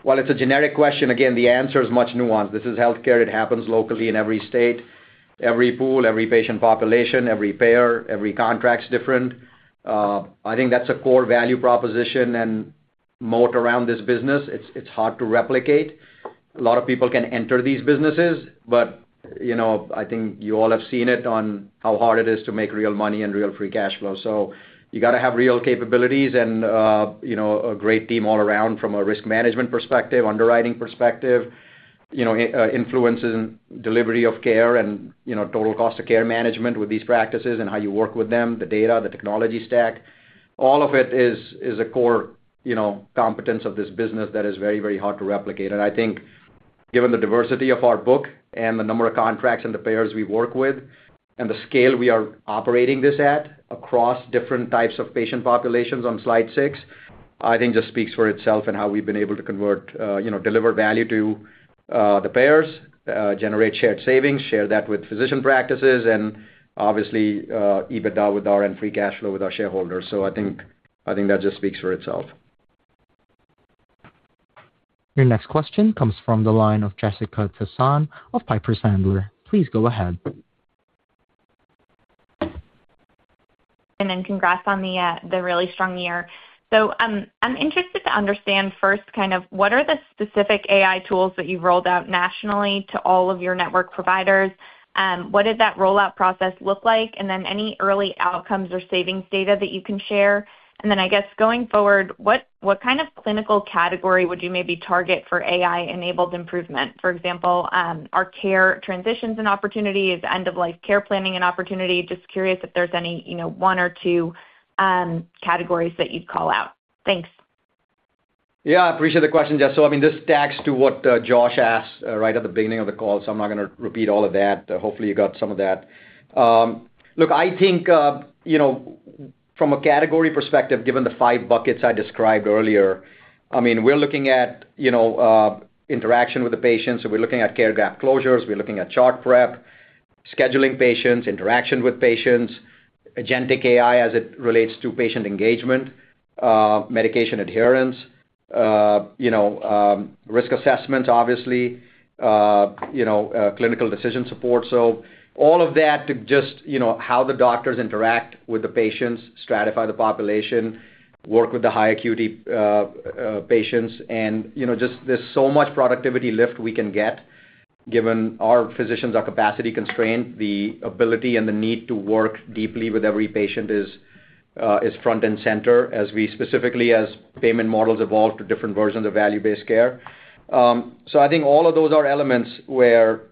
While it's a generic question, again, the answer is much nuanced. This is healthcare. It happens locally in every state, every pool, every patient population, every payer, every contract's different. I think that's a core value proposition and moat around this business. It's, it's hard to replicate. A lot of people can enter these businesses, but, you know, I think you all have seen it on how hard it is to make real money and real free cash flow. You gotta have real capabilities and, you know, a great team all around from a risk management perspective, underwriting perspective, you know, influences in delivery of care and, you know, total cost of care management with these practices and how you work with them, the data, the technology stack. All of it is a core, you know, competence of this business that is very, very hard to replicate. I think given the diversity of our book and the number of contracts and the payers we work with, and the scale we are operating this at across different types of patient populations on slide six, I think just speaks for itself and how we've been able to convert, you know, deliver value to the payers, generate shared savings, share that with physician practices, and obviously, EBITDA with our end free cash flow with our shareholders. I think that just speaks for itself. Your next question comes from the line of Jessica Tassan of Piper Sandler. Please go ahead. Congrats on the really strong year. I'm interested to understand first, kind of, what are the specific AI tools that you've rolled out nationally to all of your network providers? What did that rollout process look like? Any early outcomes or savings data that you can share. I guess, going forward, what kind of clinical category would you maybe target for AI-enabled improvement? For example, are care transitions an opportunity? Is end-of-life care planning an opportunity? Just curious if there's any, you know, one or two categories that you'd call out. Thanks. Yeah, I appreciate the question, Jess. I mean, this stacks to what Josh asked right at the beginning of the call, so I'm not gonna repeat all of that. Hopefully, you got some of that. Look, I think, you know, from a category perspective, given the five buckets I described earlier, I mean, we're looking at, you know, interaction with the patients, so we're looking at care gap closures, we're looking at chart prep, scheduling patients, interaction with patients, Agentic AI as it relates to patient engagement, medication adherence, you know, risk assessment, obviously, you know, clinical decision support. All of that to just, you know, how the doctors interact with the patients, stratify the population, work with the high acuity patients, and, you know, just there's so much productivity lift we can get given our physicians are capacity constrained, the ability and the need to work deeply with every patient is front and center, as we specifically as payment models evolve to different versions of value-based care. I think all of those are elements where,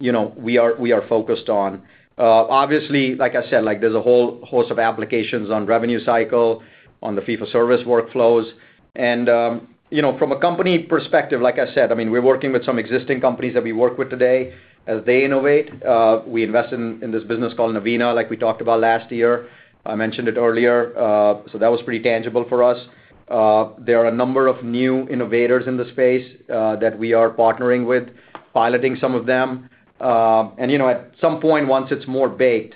you know, we are, we are focused on. Obviously, like I said, like there's a whole host of applications on revenue cycle, on the fee-for-service workflows. You know, from a company perspective, like I said, I mean, we're working with some existing companies that we work with today as they innovate. We invested in this business called Navina, like we talked about last year. I mentioned it earlier. That was pretty tangible for us. There are a number of new innovators in the space that we are partnering with, piloting some of them. You know, at some point, once it's more baked,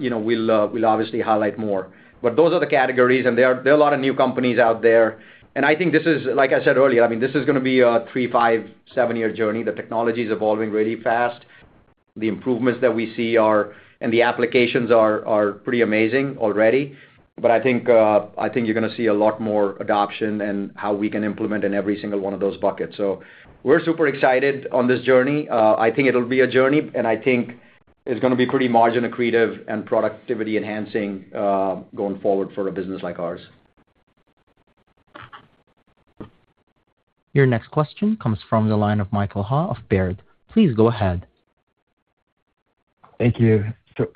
you know, we'll obviously highlight more. Those are the categories, and there are a lot of new companies out there. I think this is like I said earlier, I mean, this is gonna be a three, five, seven-year journey. The technology is evolving really fast. The improvements that we see are, and the applications are pretty amazing already. I think you're gonna see a lot more adoption and how we can implement in every single one of those buckets. We're super excited on this journey. I think it'll be a journey, and I think it's gonna be pretty margin accretive and productivity enhancing, going forward for a business like ours. Your next question comes from the line of Michael Ha of Baird. Please go ahead. Thank you.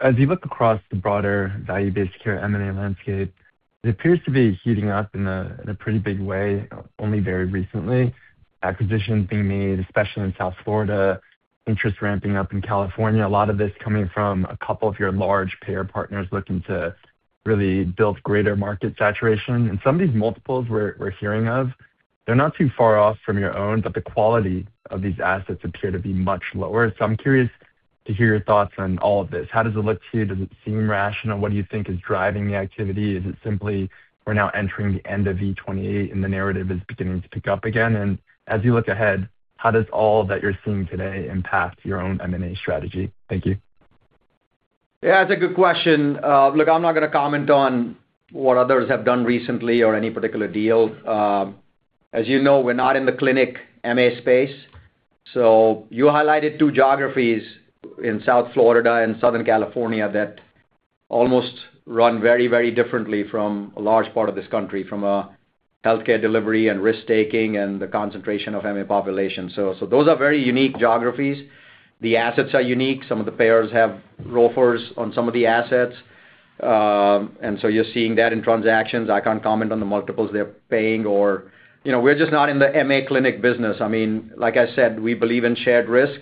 As you look across the broader value-based care M&A landscape, it appears to be heating up in a pretty big way, only very recently. Acquisitions being made, especially in South Florida, interest ramping up in California. A lot of this coming from a couple of your large payer partners looking to really build greater market saturation. Some of these multiples we're hearing of, they're not too far off from your own, but the quality of these assets appear to be much lower. I'm curious to hear your thoughts on all of this. How does it look to you? Does it seem rational? What do you think is driving the activity? Is it simply we're now entering the end of V28 and the narrative is beginning to pick up again? As you look ahead, how does all that you're seeing today impact your own M&A strategy? Thank you. Yeah, that's a good question. Look, I'm not gonna comment on what others have done recently or any particular deal. As you know, we're not in the clinic M&A space. You highlighted two geographies in South Florida and Southern California that almost run very, very differently from a large part of this country, from a healthcare delivery and risk-taking and the concentration of MA population. Those are very unique geographies. The assets are unique. Some of the payers have ROFRs on some of the assets. You're seeing that in transactions. I can't comment on the multiples they're paying or. You know, we're just not in the MA clinic business. I mean, like I said, we believe in shared risk.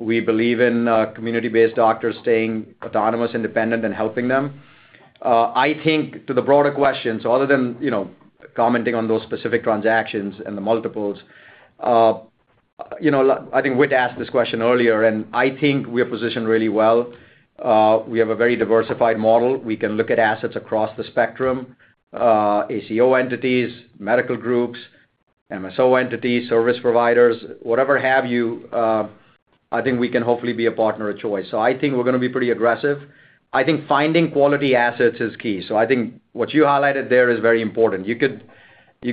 We believe in community-based doctors staying autonomous, independent, and helping them. I think to the broader questions, other than, you know, commenting on those specific transactions and the multiples, you know, I think Whit asked this question earlier, I think we are positioned really well. We have a very diversified model. We can look at assets across the spectrum, ACO entities, medical groups, MSO entities, service providers, whatever have you, I think we can hopefully be a partner of choice. I think we're gonna be pretty aggressive. I think finding quality assets is key. I think what you highlighted there is very important. You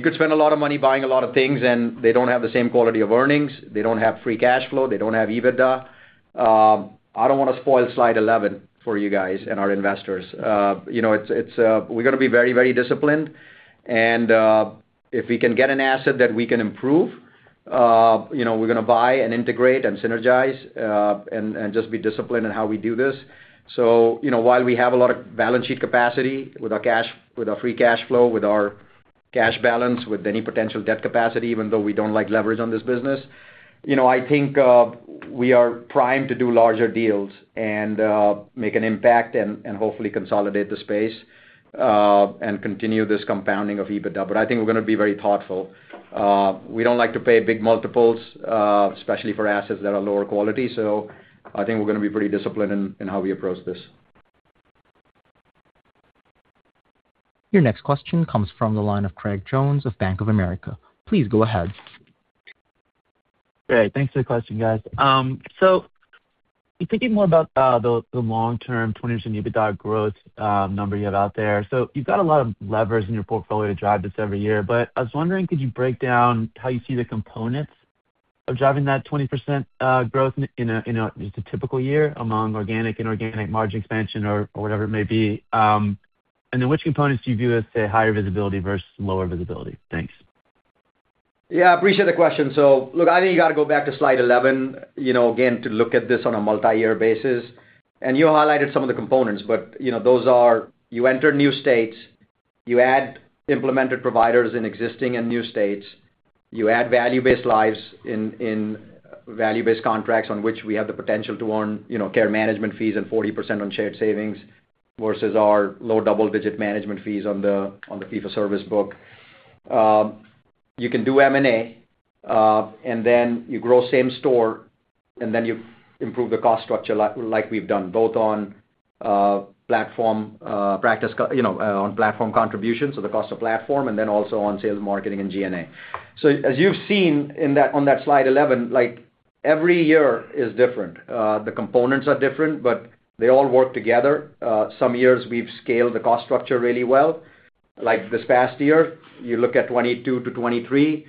could spend a lot of money buying a lot of things, and they don't have the same quality of earnings. They don't have free cash flow. They don't have EBITDA. I don't wanna spoil slide 11 for you guys and our investors. You know, it's, we're gonna be very, very disciplined, and if we can get an asset that we can improve, you know, we're gonna buy and integrate and synergize, and just be disciplined in how we do this. You know, while we have a lot of balance sheet capacity with our free cash flow, with our cash balance, with any potential debt capacity, even though we don't like leverage on this business, you know, I think, we are primed to do larger deals and make an impact and hopefully consolidate the space and continue this compounding of EBITDA. I think we're gonna be very thoughtful. We don't like to pay big multiples, especially for assets that are lower quality, so I think we're gonna be pretty disciplined in how we approach this. Your next question comes from the line of Craig Jones of Bank of America. Please go ahead. Great, thanks for the question, guys. Thinking more about the long-term 20% EBITDA growth number you have out there, you've got a lot of levers in your portfolio to drive this every year. I was wondering, could you break down how you see the components of driving that 20% growth in a, in a, just a typical year among organic, inorganic margin expansion or whatever it may be? Then which components do you view as, say, higher visibility versus lower visibility? Thanks. Yeah, I appreciate the question. Look, I think you got to go back to slide 11, you know, again, to look at this on a multi-year basis. You highlighted some of the components, but, you know, those are: you enter new states, you add implemented providers in existing and new states, you add value-based lives in value-based contracts on which we have the potential to earn, you know, care management fees and 40% on shared savings, versus our low double-digit management fees on the, on the fee-for-service book. You can do M&A, and then you grow same store, and then you improve the cost structure like we've done, both on Platform, Practice, you know, on Platform Contributions, so the cost of platform, and then also on sales, marketing, and G&A. As you've seen on that slide 11, like, every year is different. The components are different. They all work together. Some years, we've scaled the cost structure really well. Like this past year, you look at 2022-2023,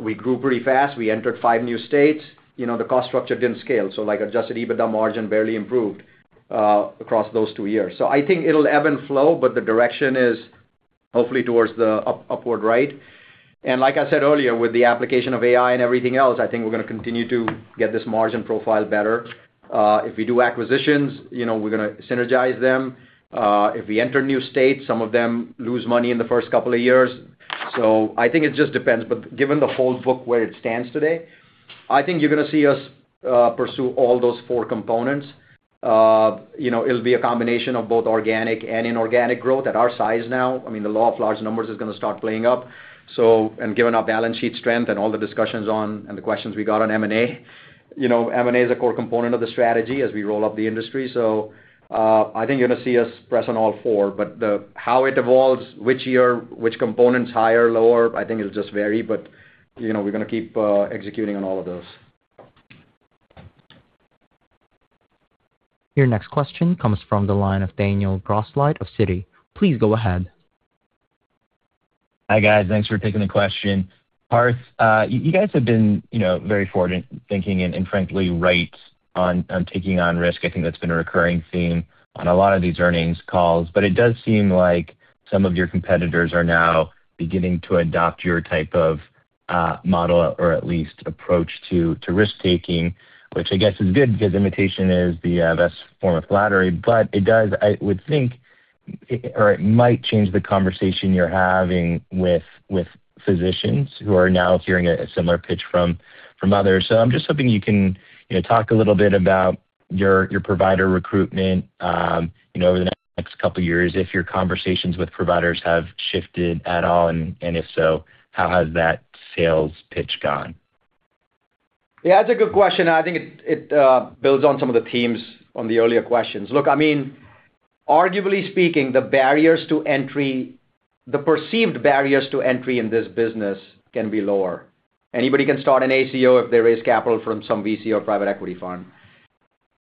we grew pretty fast. We entered five new states. You know, the cost structure didn't scale, like, Adjusted EBITDA margin barely improved across those two years. I think it'll ebb and flow, but the direction is hopefully towards the upward right. Like I said earlier, with the application of AI and everything else, I think we're gonna continue to get this margin profile better. If we do acquisitions, you know, we're gonna synergize them. If we enter new states, some of them lose money in the first couple of years. I think it just depends, but given the whole book, where it stands today, I think you're gonna see us pursue all those four components. You know, it'll be a combination of both organic and inorganic growth. At our size now, I mean, the law of large numbers is gonna start playing up. Given our balance sheet strength and all the discussions on, and the questions we got on M&A, you know, M&A is a core component of the strategy as we roll up the industry. I think you're gonna see us press on all four, but how it evolves, which year, which component's higher or lower, I think it'll just vary, but, you know, we're gonna keep executing on all of those. Your next question comes from the line of Daniel Grosslight of Citi. Please go ahead. Hi, guys. Thanks for taking the question. Parth, you guys have been, you know, very forward in thinking and frankly, right on taking on risk. I think that's been a recurring theme on a lot of these earnings calls, but it does seem like some of your competitors are now beginning to adopt your type of model or at least approach to risk-taking, which I guess is good, because imitation is the best form of flattery. It does, I would think, or it might change the conversation you're having with physicians who are now hearing a similar pitch from others. I'm just hoping you can, you know, talk a little bit about your provider recruitment, you know, over the next couple of years, if your conversations with providers have shifted at all, and if so, how has that sales pitch gone? Yeah, that's a good question. I think it builds on some of the themes on the earlier questions. Look, I mean, arguably speaking, the perceived barriers to entry in this business can be lower. Anybody can start an ACO if they raise capital from some VC or private equity fund.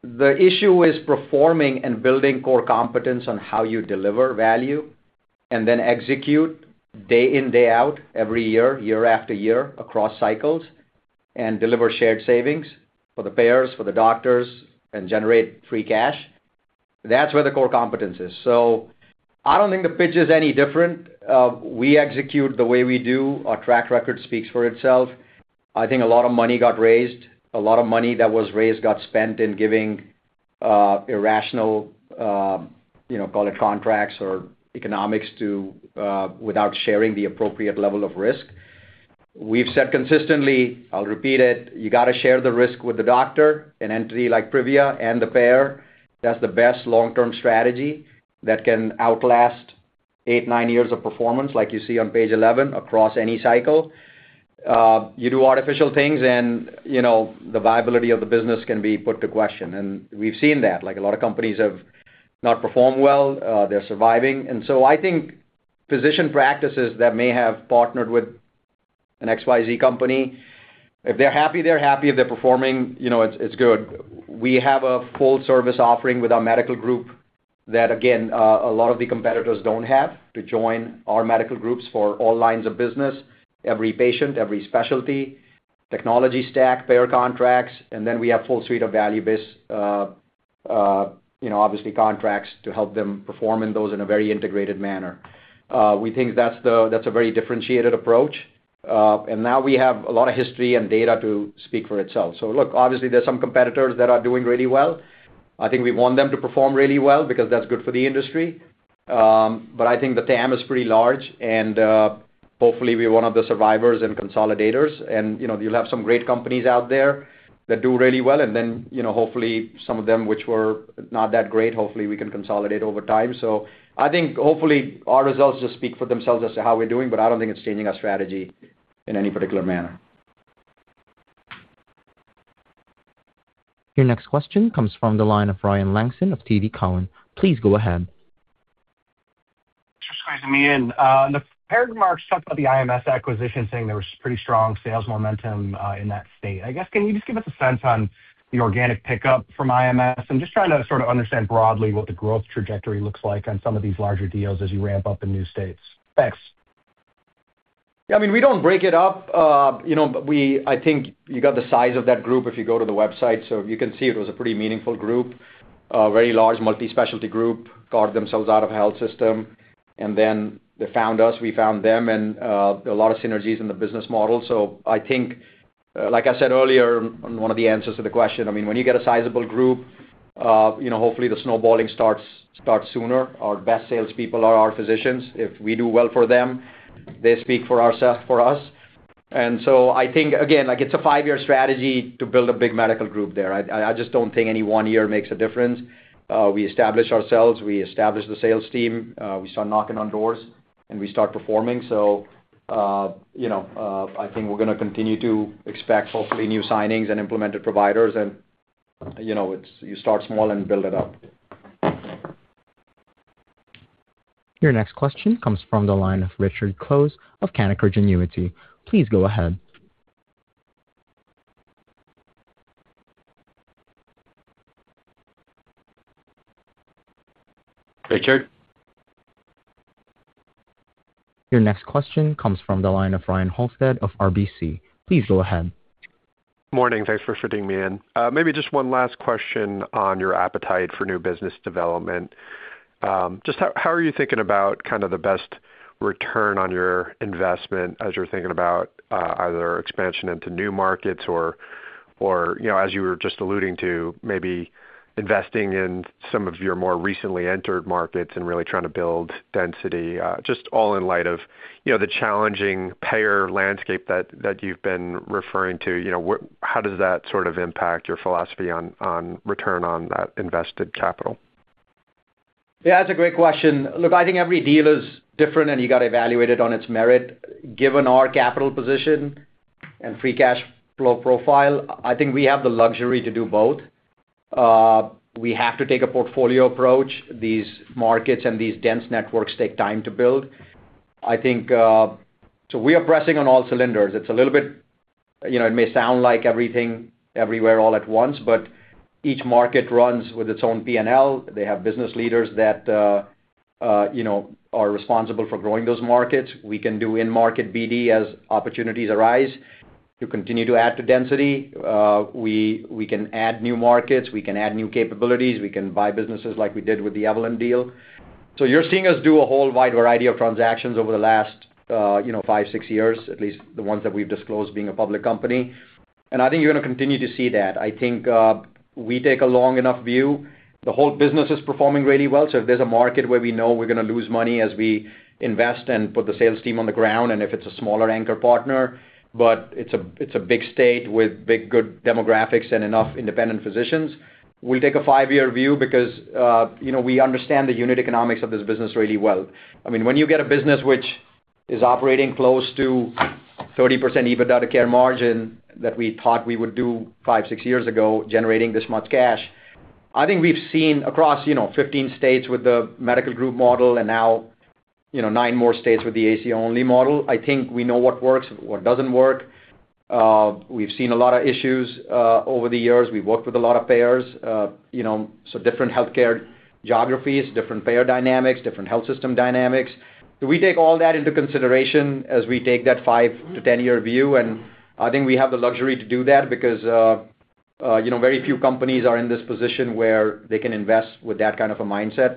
The issue is performing and building core competence on how you deliver value, and then execute day in, day out, every year after year, across cycles, and deliver shared savings for the payers, for the doctors, and generate free cash. That's where the core competence is. I don't think the pitch is any different. We execute the way we do. Our track record speaks for itself. I think a lot of money got raised. A lot of money that was raised got spent in giving, irrational, you know, call it contracts or economics, without sharing the appropriate level of risk. We've said consistently, I'll repeat it, you gotta share the risk with the doctor, an entity like Privia and the payer. That's the best long-term strategy that can outlast eight, nine years of performance, like you see on page 11, across any cycle. You do artificial things, and, you know, the viability of the business can be put to question. We've seen that, like, a lot of companies have not performed well, they're surviving. I think physician practices that may have partnered with an XYZ company, if they're happy, they're happy. If they're performing, you know, it's good. We have a full service offering with our medical group that, again, a lot of the competitors don't have, to join our medical groups for all lines of business, every patient, every specialty, technology stack, payer contracts, and then we have full suite of value-based, you know, obviously contracts to help them perform in those in a very integrated manner. We think that's a very differentiated approach. And now we have a lot of history and data to speak for itself. Look, obviously, there are some competitors that are doing really well. I think we want them to perform really well because that's good for the industry. I think the TAM is pretty large, and, hopefully, we're one of the survivors and consolidators. You know, you'll have some great companies out there that do really well, and then, you know, hopefully, some of them, which were not that great, hopefully, we can consolidate over time. I think, hopefully, our results just speak for themselves as to how we're doing, but I don't think it's changing our strategy in any particular manner. Your next question comes from the line of Ryan Langston of TD Cowen. Please go ahead. The prepared remarks talked about the IMS acquisition, saying there was pretty strong sales momentum in that state. I guess, can you just give us a sense on the organic pickup from IMS? I'm just trying to sort of understand broadly what the growth trajectory looks like on some of these larger deals as you ramp up in new states. Thanks. Yeah, I mean, we don't break it up, you know, but I think you got the size of that group if you go to the website. You can see it was a pretty meaningful group, a very large multi-specialty group, carved themselves out of health system, and then they found us, we found them, and there are a lot of synergies in the business model. I think, like I said earlier, in one of the answers to the question, I mean, when you get a sizable group, you know, hopefully the snowballing starts sooner. Our best salespeople are our physicians. If we do well for them, they speak for ourself, for us. I think, again, like, it's a five-year strategy to build a big medical group there. I just don't think any one year makes a difference. We establish ourselves, we establish the sales team, we start knocking on doors, and we start performing. You know, I think we're gonna continue to expect, hopefully, new signings and implemented providers and, you know, it's, you start small and build it up. Your next question comes from the line of Richard Close of Canaccord Genuity. Please go ahead. Richard? Your next question comes from the line of Ryan Halsted of RBC. Please go ahead. Morning. Thanks for fitting me in. Maybe just one last question on your appetite for new business development. Just how are you thinking about kind of the best return on your investment as you're thinking about, either expansion into new markets or, you know, as you were just alluding to, maybe investing in some of your more recently entered markets and really trying to build density? Just all in light of, you know, the challenging payer landscape that you've been referring to. You know, how does that sort of impact your philosophy on return on that invested capital? Yeah, that's a great question. Look, I think every deal is different, and you got to evaluate it on its merit. Given our capital position and free cash flow profile, I think we have the luxury to do both. We have to take a portfolio approach. These markets and these dense networks take time to build. I think, we are pressing on all cylinders. It's a little bit, you know, it may sound like everything, everywhere, all at once, but each market runs with its own P&L. They have business leaders that, you know, are responsible for growing those markets. We can do in-market BD as opportunities arise to continue to add to density. We, we can add new markets, we can add new capabilities, we can buy businesses like we did with the Evolent deal. You're seeing us do a whole wide variety of transactions over the last, you know, five, six years, at least the ones that we've disclosed being a public company. I think you're gonna continue to see that. I think we take a long enough view. The whole business is performing really well, so if there's a market where we know we're gonna lose money as we invest and put the sales team on the ground, and if it's a smaller anchor partner, but it's a, it's a big state with big, good demographics and enough independent physicians, we'll take a five-year view because, you know, we understand the unit economics of this business really well. I mean, when you get a business which is operating close to 30% EBITDA to Care Margin that we thought we would do five, six years ago, generating this much cash, I think we've seen across, you know, 15 states with the medical group model and now, you know, nine more states with the ACO only model, I think we know what works, what doesn't work. We've seen a lot of issues over the years. We've worked with a lot of payers, you know, different healthcare geographies, different payer dynamics, different health system dynamics. We take all that into consideration as we take that five to 10-year view, I think we have the luxury to do that because, you know, very few companies are in this position where they can invest with that kind of a mindset.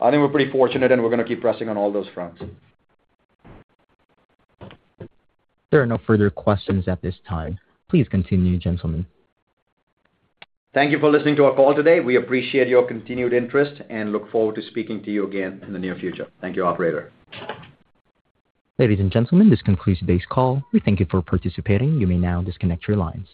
I think we're pretty fortunate, and we're gonna keep pressing on all those fronts. There are no further questions at this time. Please continue, gentlemen. Thank you for listening to our call today. We appreciate your continued interest and look forward to speaking to you again in the near future. Thank you, operator. Ladies and gentlemen, this concludes today's call. We thank you for participating. You may now disconnect your lines.